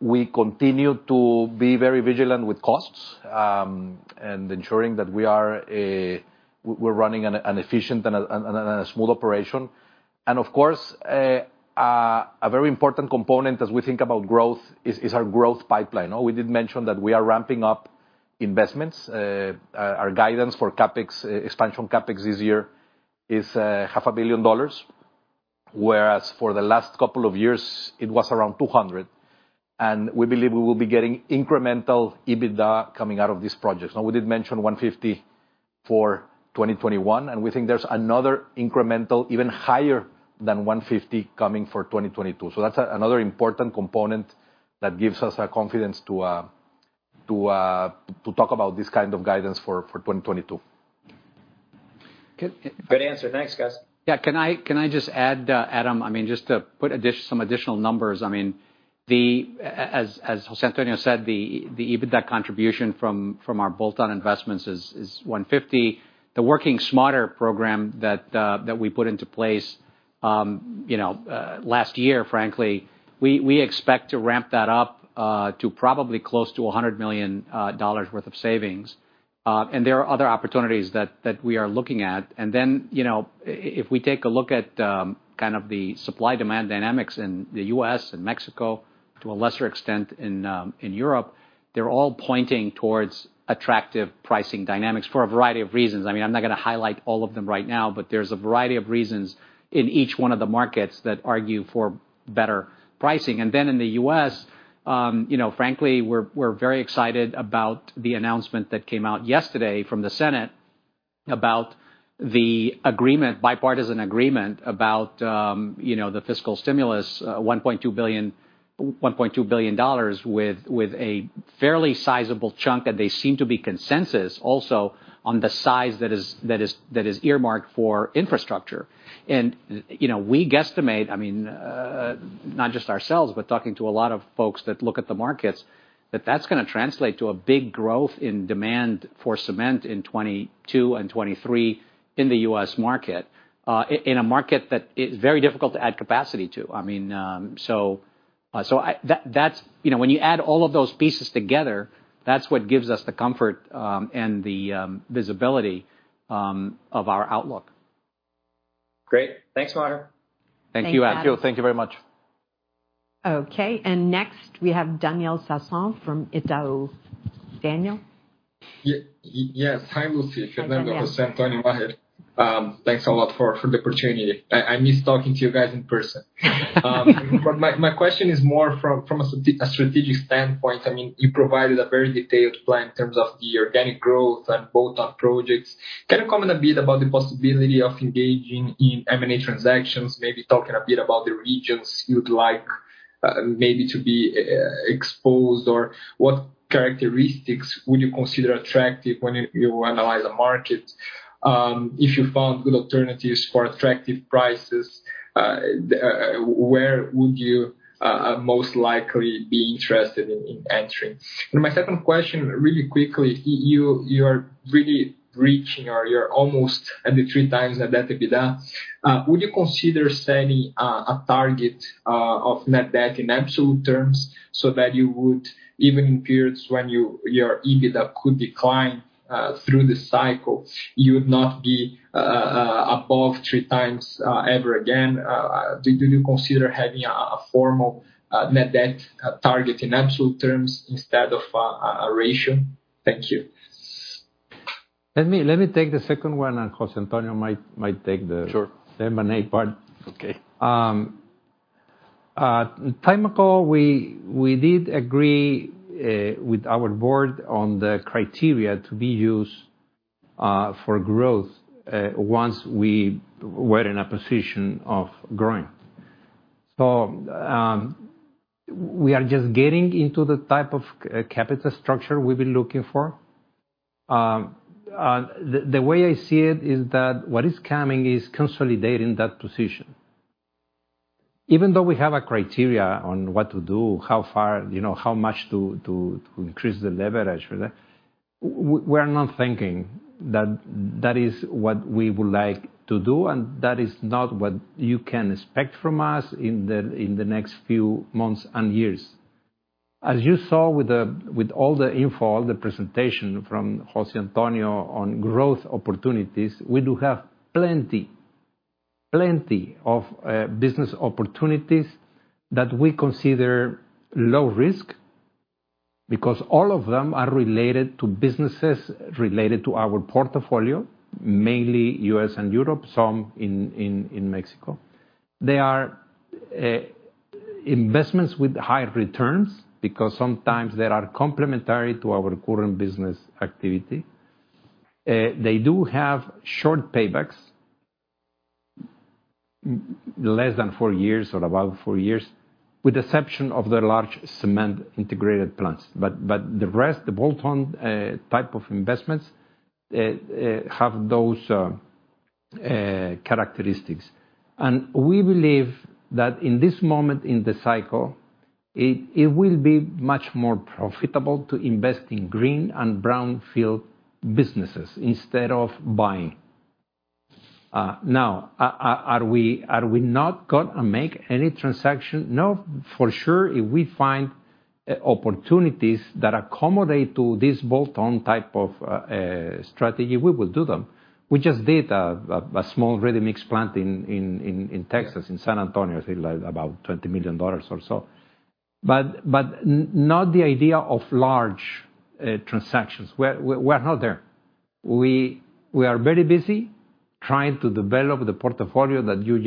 We continue to be very vigilant with costs, and ensuring that we're running an efficient and a smooth operation. Of course, a very important component as we think about growth is our growth pipeline. We did mention that we are ramping up investments. Our guidance for CapEx, expansion CapEx this year is half a billion dollars, whereas for the last couple of years, it was around $200. We believe we will be getting incremental EBITDA coming out of these projects. Now, we did mention $150 for 2021, and we think there's another incremental, even higher than $150 coming for 2022. That's another important component that gives us the confidence to talk about this kind of guidance for 2022. Good answer. Thanks, guys. Can I just add, Adam, I mean, just to put some additional numbers. As Jose Antonio said, the EBITDA contribution from our bolt-on investments is $150. The Working Smarter program that we put into place last year, frankly, we expect to ramp that up to probably close to $100 million worth of savings. There are other opportunities that we are looking at. If we take a look at the kind of the supply-demand dynamics in the U.S. and Mexico, to a lesser extent in Europe, they're all pointing towards attractive pricing dynamics for a variety of reasons. I'm not going to highlight all of them right now, but there's a variety of reasons in each one of the markets that argue for better pricing. In the U.S., frankly, we're very excited about the announcement that came out yesterday from the Senate about the bipartisan agreement about the fiscal stimulus, $1.2 billion with a fairly sizable chunk, and they seem to be consensus also on the size that is earmarked for infrastructure. We guesstimate, I mean, not just ourselves, but talking to a lot of folks that look at the markets, that that's going to translate to a big growth in demand for cement in 2022 and 2023 in the U.S. market, in a market that is very difficult to add capacity to. When you add all of those pieces together, that's what gives us the comfort and the visibility of our outlook. Great. Thanks, Maher. Thank you. Thanks, Adam. Thank you very much. Okay. Next we have Daniel Sasson from Itaú. Daniel? Yes. Hi, Lucy. Good morning, Jose Antonio and Maher. Thanks a lot for the opportunity. I miss talking to you guys in person. My question is more from a strategic standpoint. You provided a very detailed plan in terms of the organic growth and bolt-on projects. Can you comment a bit about the possibility of engaging in M&A transactions, maybe talking a bit about the regions you'd like maybe to be exposed, or what characteristics would you consider attractive when you analyze the markets? If you found good alternatives for attractive prices, where would you most likely be interested in entering? My second question, really quickly, you are really reaching, or you're almost at the 3x net-to-EBITDA. Would you consider setting a target of net debt in absolute terms so that you would, even in periods when your EBITDA could decline through the cycle, you would not be above three times ever again? Did you consider having a formal net debt target in absolute terms instead of a ratio? Thank you. Let me take the second one, and Jose Antonio might take. Sure M&A part. Okay. Time ago, we did agree with our board on the criteria to be used for growth once we were in a position of growing. We are just getting into the type of capital structure we've been looking for. The way I see it is that what is coming is consolidating that position. Even though we have a criteria on what to do, how much to increase the leverage, we're not thinking that is what we would like to do, and that is not what you can expect from us in the next few months and years. As you saw with all the info, all the presentation from Jose Antonio on growth opportunities, we do have plenty of business opportunities that we consider low risk, because all of them are related to businesses related to our portfolio, mainly U.S. and Europe, some in Mexico. They are investments with high returns because sometimes they are complementary to our current business activity. They do have short paybacks, less than four years or about four years, with exception of the large cement integrated plants. The rest, the bolt-on type of investments, have those characteristics. We believe that in this moment in the cycle, it will be much more profitable to invest in green and brown field businesses instead of buying. Are we not going to make any transaction? No. For sure, if we find opportunities that accommodate to this bolt-on type of strategy, we will do them. We just did a small ready-mix plant in Texas, in San Antonio, I think about $20 million or so. Not the idea of large transactions. We're not there. We are very busy trying to develop the portfolio that you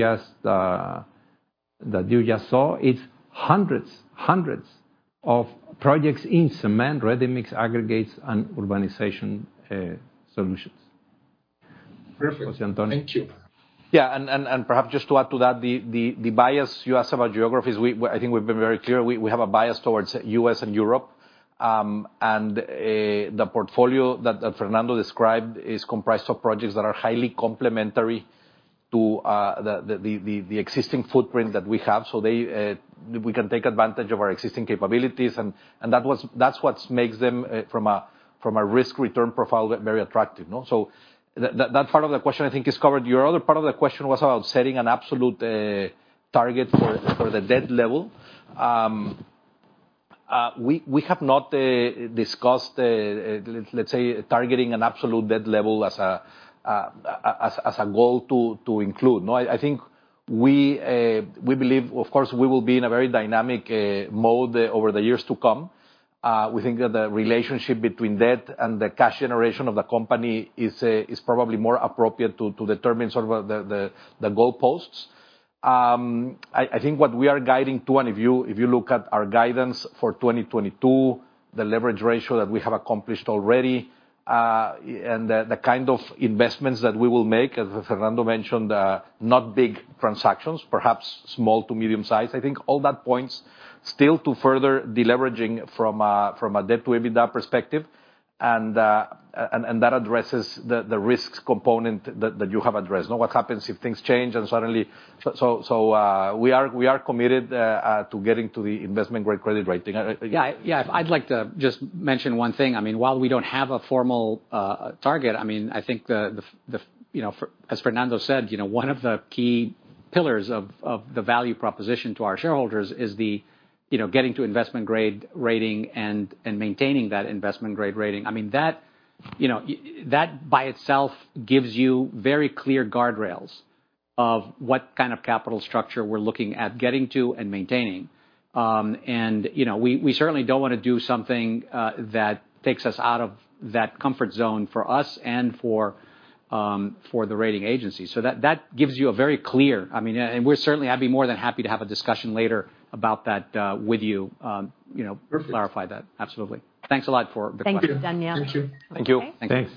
just saw. It's hundreds of projects in cement, ready-mix aggregates, and Urbanization Solutions. Perfect. Thank you. Yeah. Perhaps just to add to that, the bias you asked about geographies, I think we've been very clear. We have a bias towards U.S. and Europe. The portfolio that Fernando described is comprised of projects that are highly complementary to the existing footprint that we have. We can take advantage of our existing capabilities, and that's what makes them, from a risk-return profile, very attractive. That part of the question, I think, is covered. The other part of the question was about setting an absolute target for the debt level. We have not discussed, let's say, targeting an absolute debt level as a goal to include. I think we believe, of course, we will be in a very dynamic mode over the years to come. We think that the relationship between debt and the cash generation of the company is probably more appropriate to determine sort of the goalposts. I think what we are guiding to, and if you look at our guidance for 2022, the leverage ratio that we have accomplished already, and the kind of investments that we will make, as Fernando mentioned, not big transactions, perhaps small to medium size. I think all that points still to further deleveraging from a debt to EBITDA perspective, and that addresses the risks component that you have addressed. Now, what happens if things change and we are committed to getting to the investment-Grade credit rating. Yeah. I'd like to just mention one thing. While we don't have a formal target, I think, as Fernando said, one of the key pillars of the value proposition to our shareholders is the getting to investment-grade rating and maintaining that investment-grade rating. That by itself gives you very clear guardrails of what kind of capital structure we're looking at getting to and maintaining. We certainly don't want to do something that takes us out of that comfort zone for us and for the rating agency, so that gives you a very clear, I'd be more than happy to have a discussion later about that with you. Perfect. To clarify that. Absolutely. Thanks a lot for the question. Thank you, Daniel. Thank you. Thank you.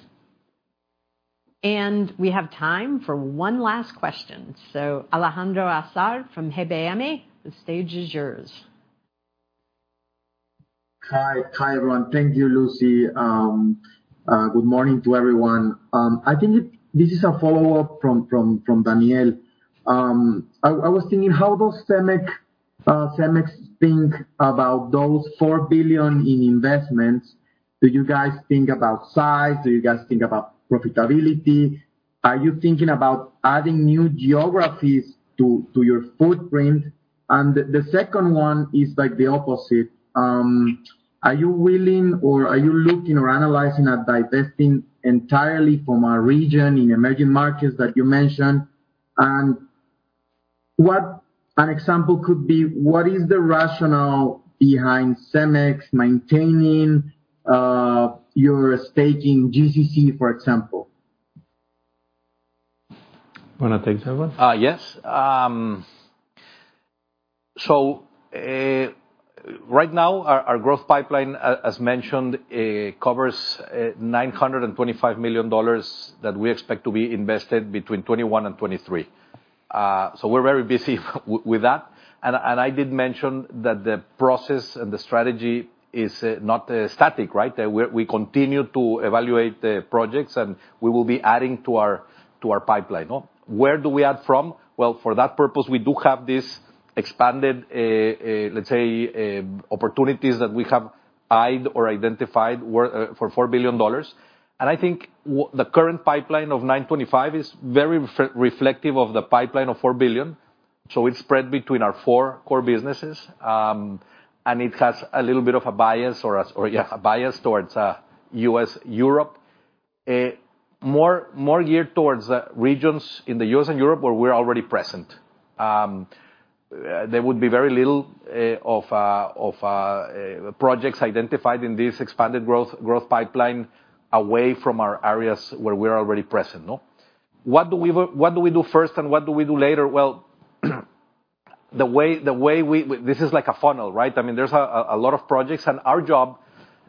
Thanks. We have time for one last question. Alejandro Azar from GBM the stage is yours. Hi, everyone. Thank you, Lucy, good morning to everyone. I believe this is a follow-up from Daniel. I was thinking, how does CEMEX think about those $4 billion in investments? Do you guys think about size? Do you guys think about profitability? Are you thinking about adding new geographies to your footprint? The second one is the opposite. Are you willing or are you looking or analyzing or divesting entirely from a region in emerging markets that you mentioned? What an example could be, what is the rationale behind CEMEX maintaining your stake in GCC, for example? Want to take that one? Yes. Right now, our growth pipeline, as mentioned, covers $925 million that we expect to be invested between 2021 and 2023. We're very busy with that. I did mention that the process and the strategy is not static, right? We continue to evaluate the projects, and we will be adding to our pipeline. Where do we add from? Well, for that purpose, we do have this expanded, let's say, opportunities that we have eyed or identified worth for $4 billion. I think the current pipeline of $925 million is very reflective of the pipeline of $4 billion. It's spread between our four core businesses, and it has a little bit of a bias towards U.S., Europe. More geared towards regions in the U.S. and Europe where we're already present. There would be very little of projects identified in this expanded growth pipeline away from our areas where we're already present. What do we do first and what do we do later? This is like a funnel, right? There's a lot of projects, and our job,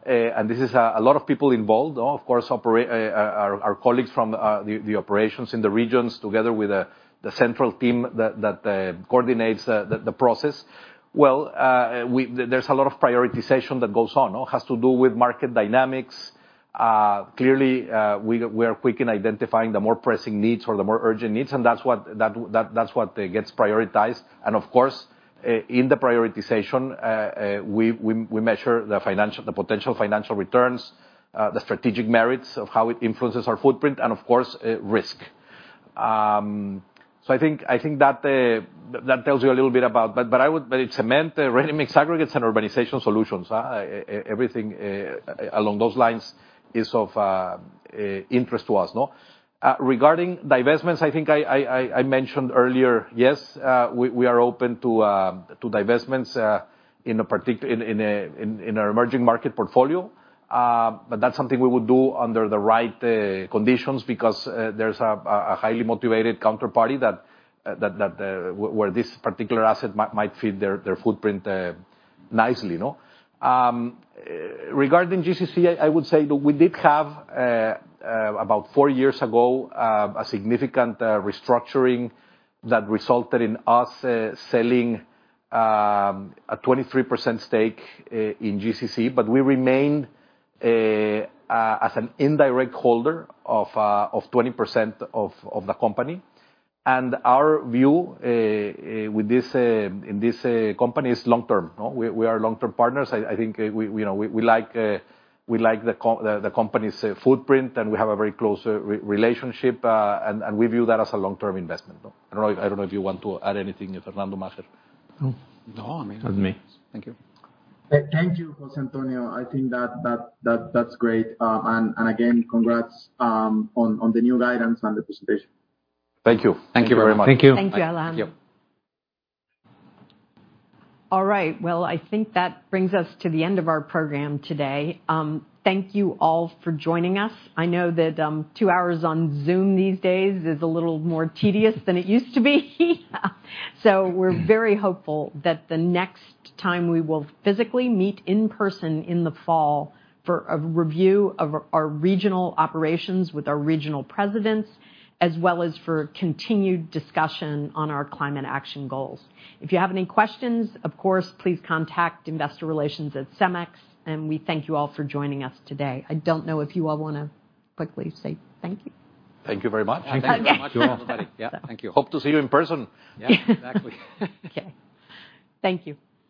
and this is a lot of people involved. Of course, our colleagues from the operations in the regions together with the central team that coordinates the process. There's a lot of prioritization that goes on. It has to do with market dynamics. Clearly, we are quick in identifying the more pressing needs or the more urgent needs, and that's what gets prioritized. Of course, in the prioritization, we measure the potential financial returns, the strategic merits of how it influences our footprint, and of course, risk. I think that tells you a little bit about that. Cement, ready-mix, aggregates, and Urbanization Solutions, everything along those lines is of interest to us. Regarding divestments, I mentioned earlier, yes, we are open to divestments in our emerging market portfolio. That's something we would do under the right conditions because there's a highly motivated counterparty where this particular asset might fit their footprint nicely. Regarding GCC, I would say that we did have, about four years ago, a significant restructuring that resulted in us selling a 23% stake in GCC, but we remain as an indirect holder of 20% of the company. Our view in this company is long-term. We are long-term partners. We like the company's footprint, and we have a very close relationship, and we view that as a long-term investment. I don't know if you want to add anything, Fernando, Maher. No. That's me. Thank you. Thank you, Jose Antonio, I think that's great. Again, congrats on the new guidance and the presentation. Thank you. Thank you very much. Thank you. Thank you, Alan. All right, well, I think that brings us to the end of our program today. Thank you all for joining us. I know that two hours on Zoom these days is a little more tedious than it used to be. We're very hopeful that the next time we will physically meet in person in the fall for a review of our regional operations with our regional presidents, as well as for continued discussion on our climate action goals. If you have any questions, of course, please contact investor relations at CEMEX, and we thank you all for joining us today. I don't know if you all want to quickly say thank you. Thank you very much. Thank you. Hope to see you in person. Yeah, exactly. Okay. Thank you.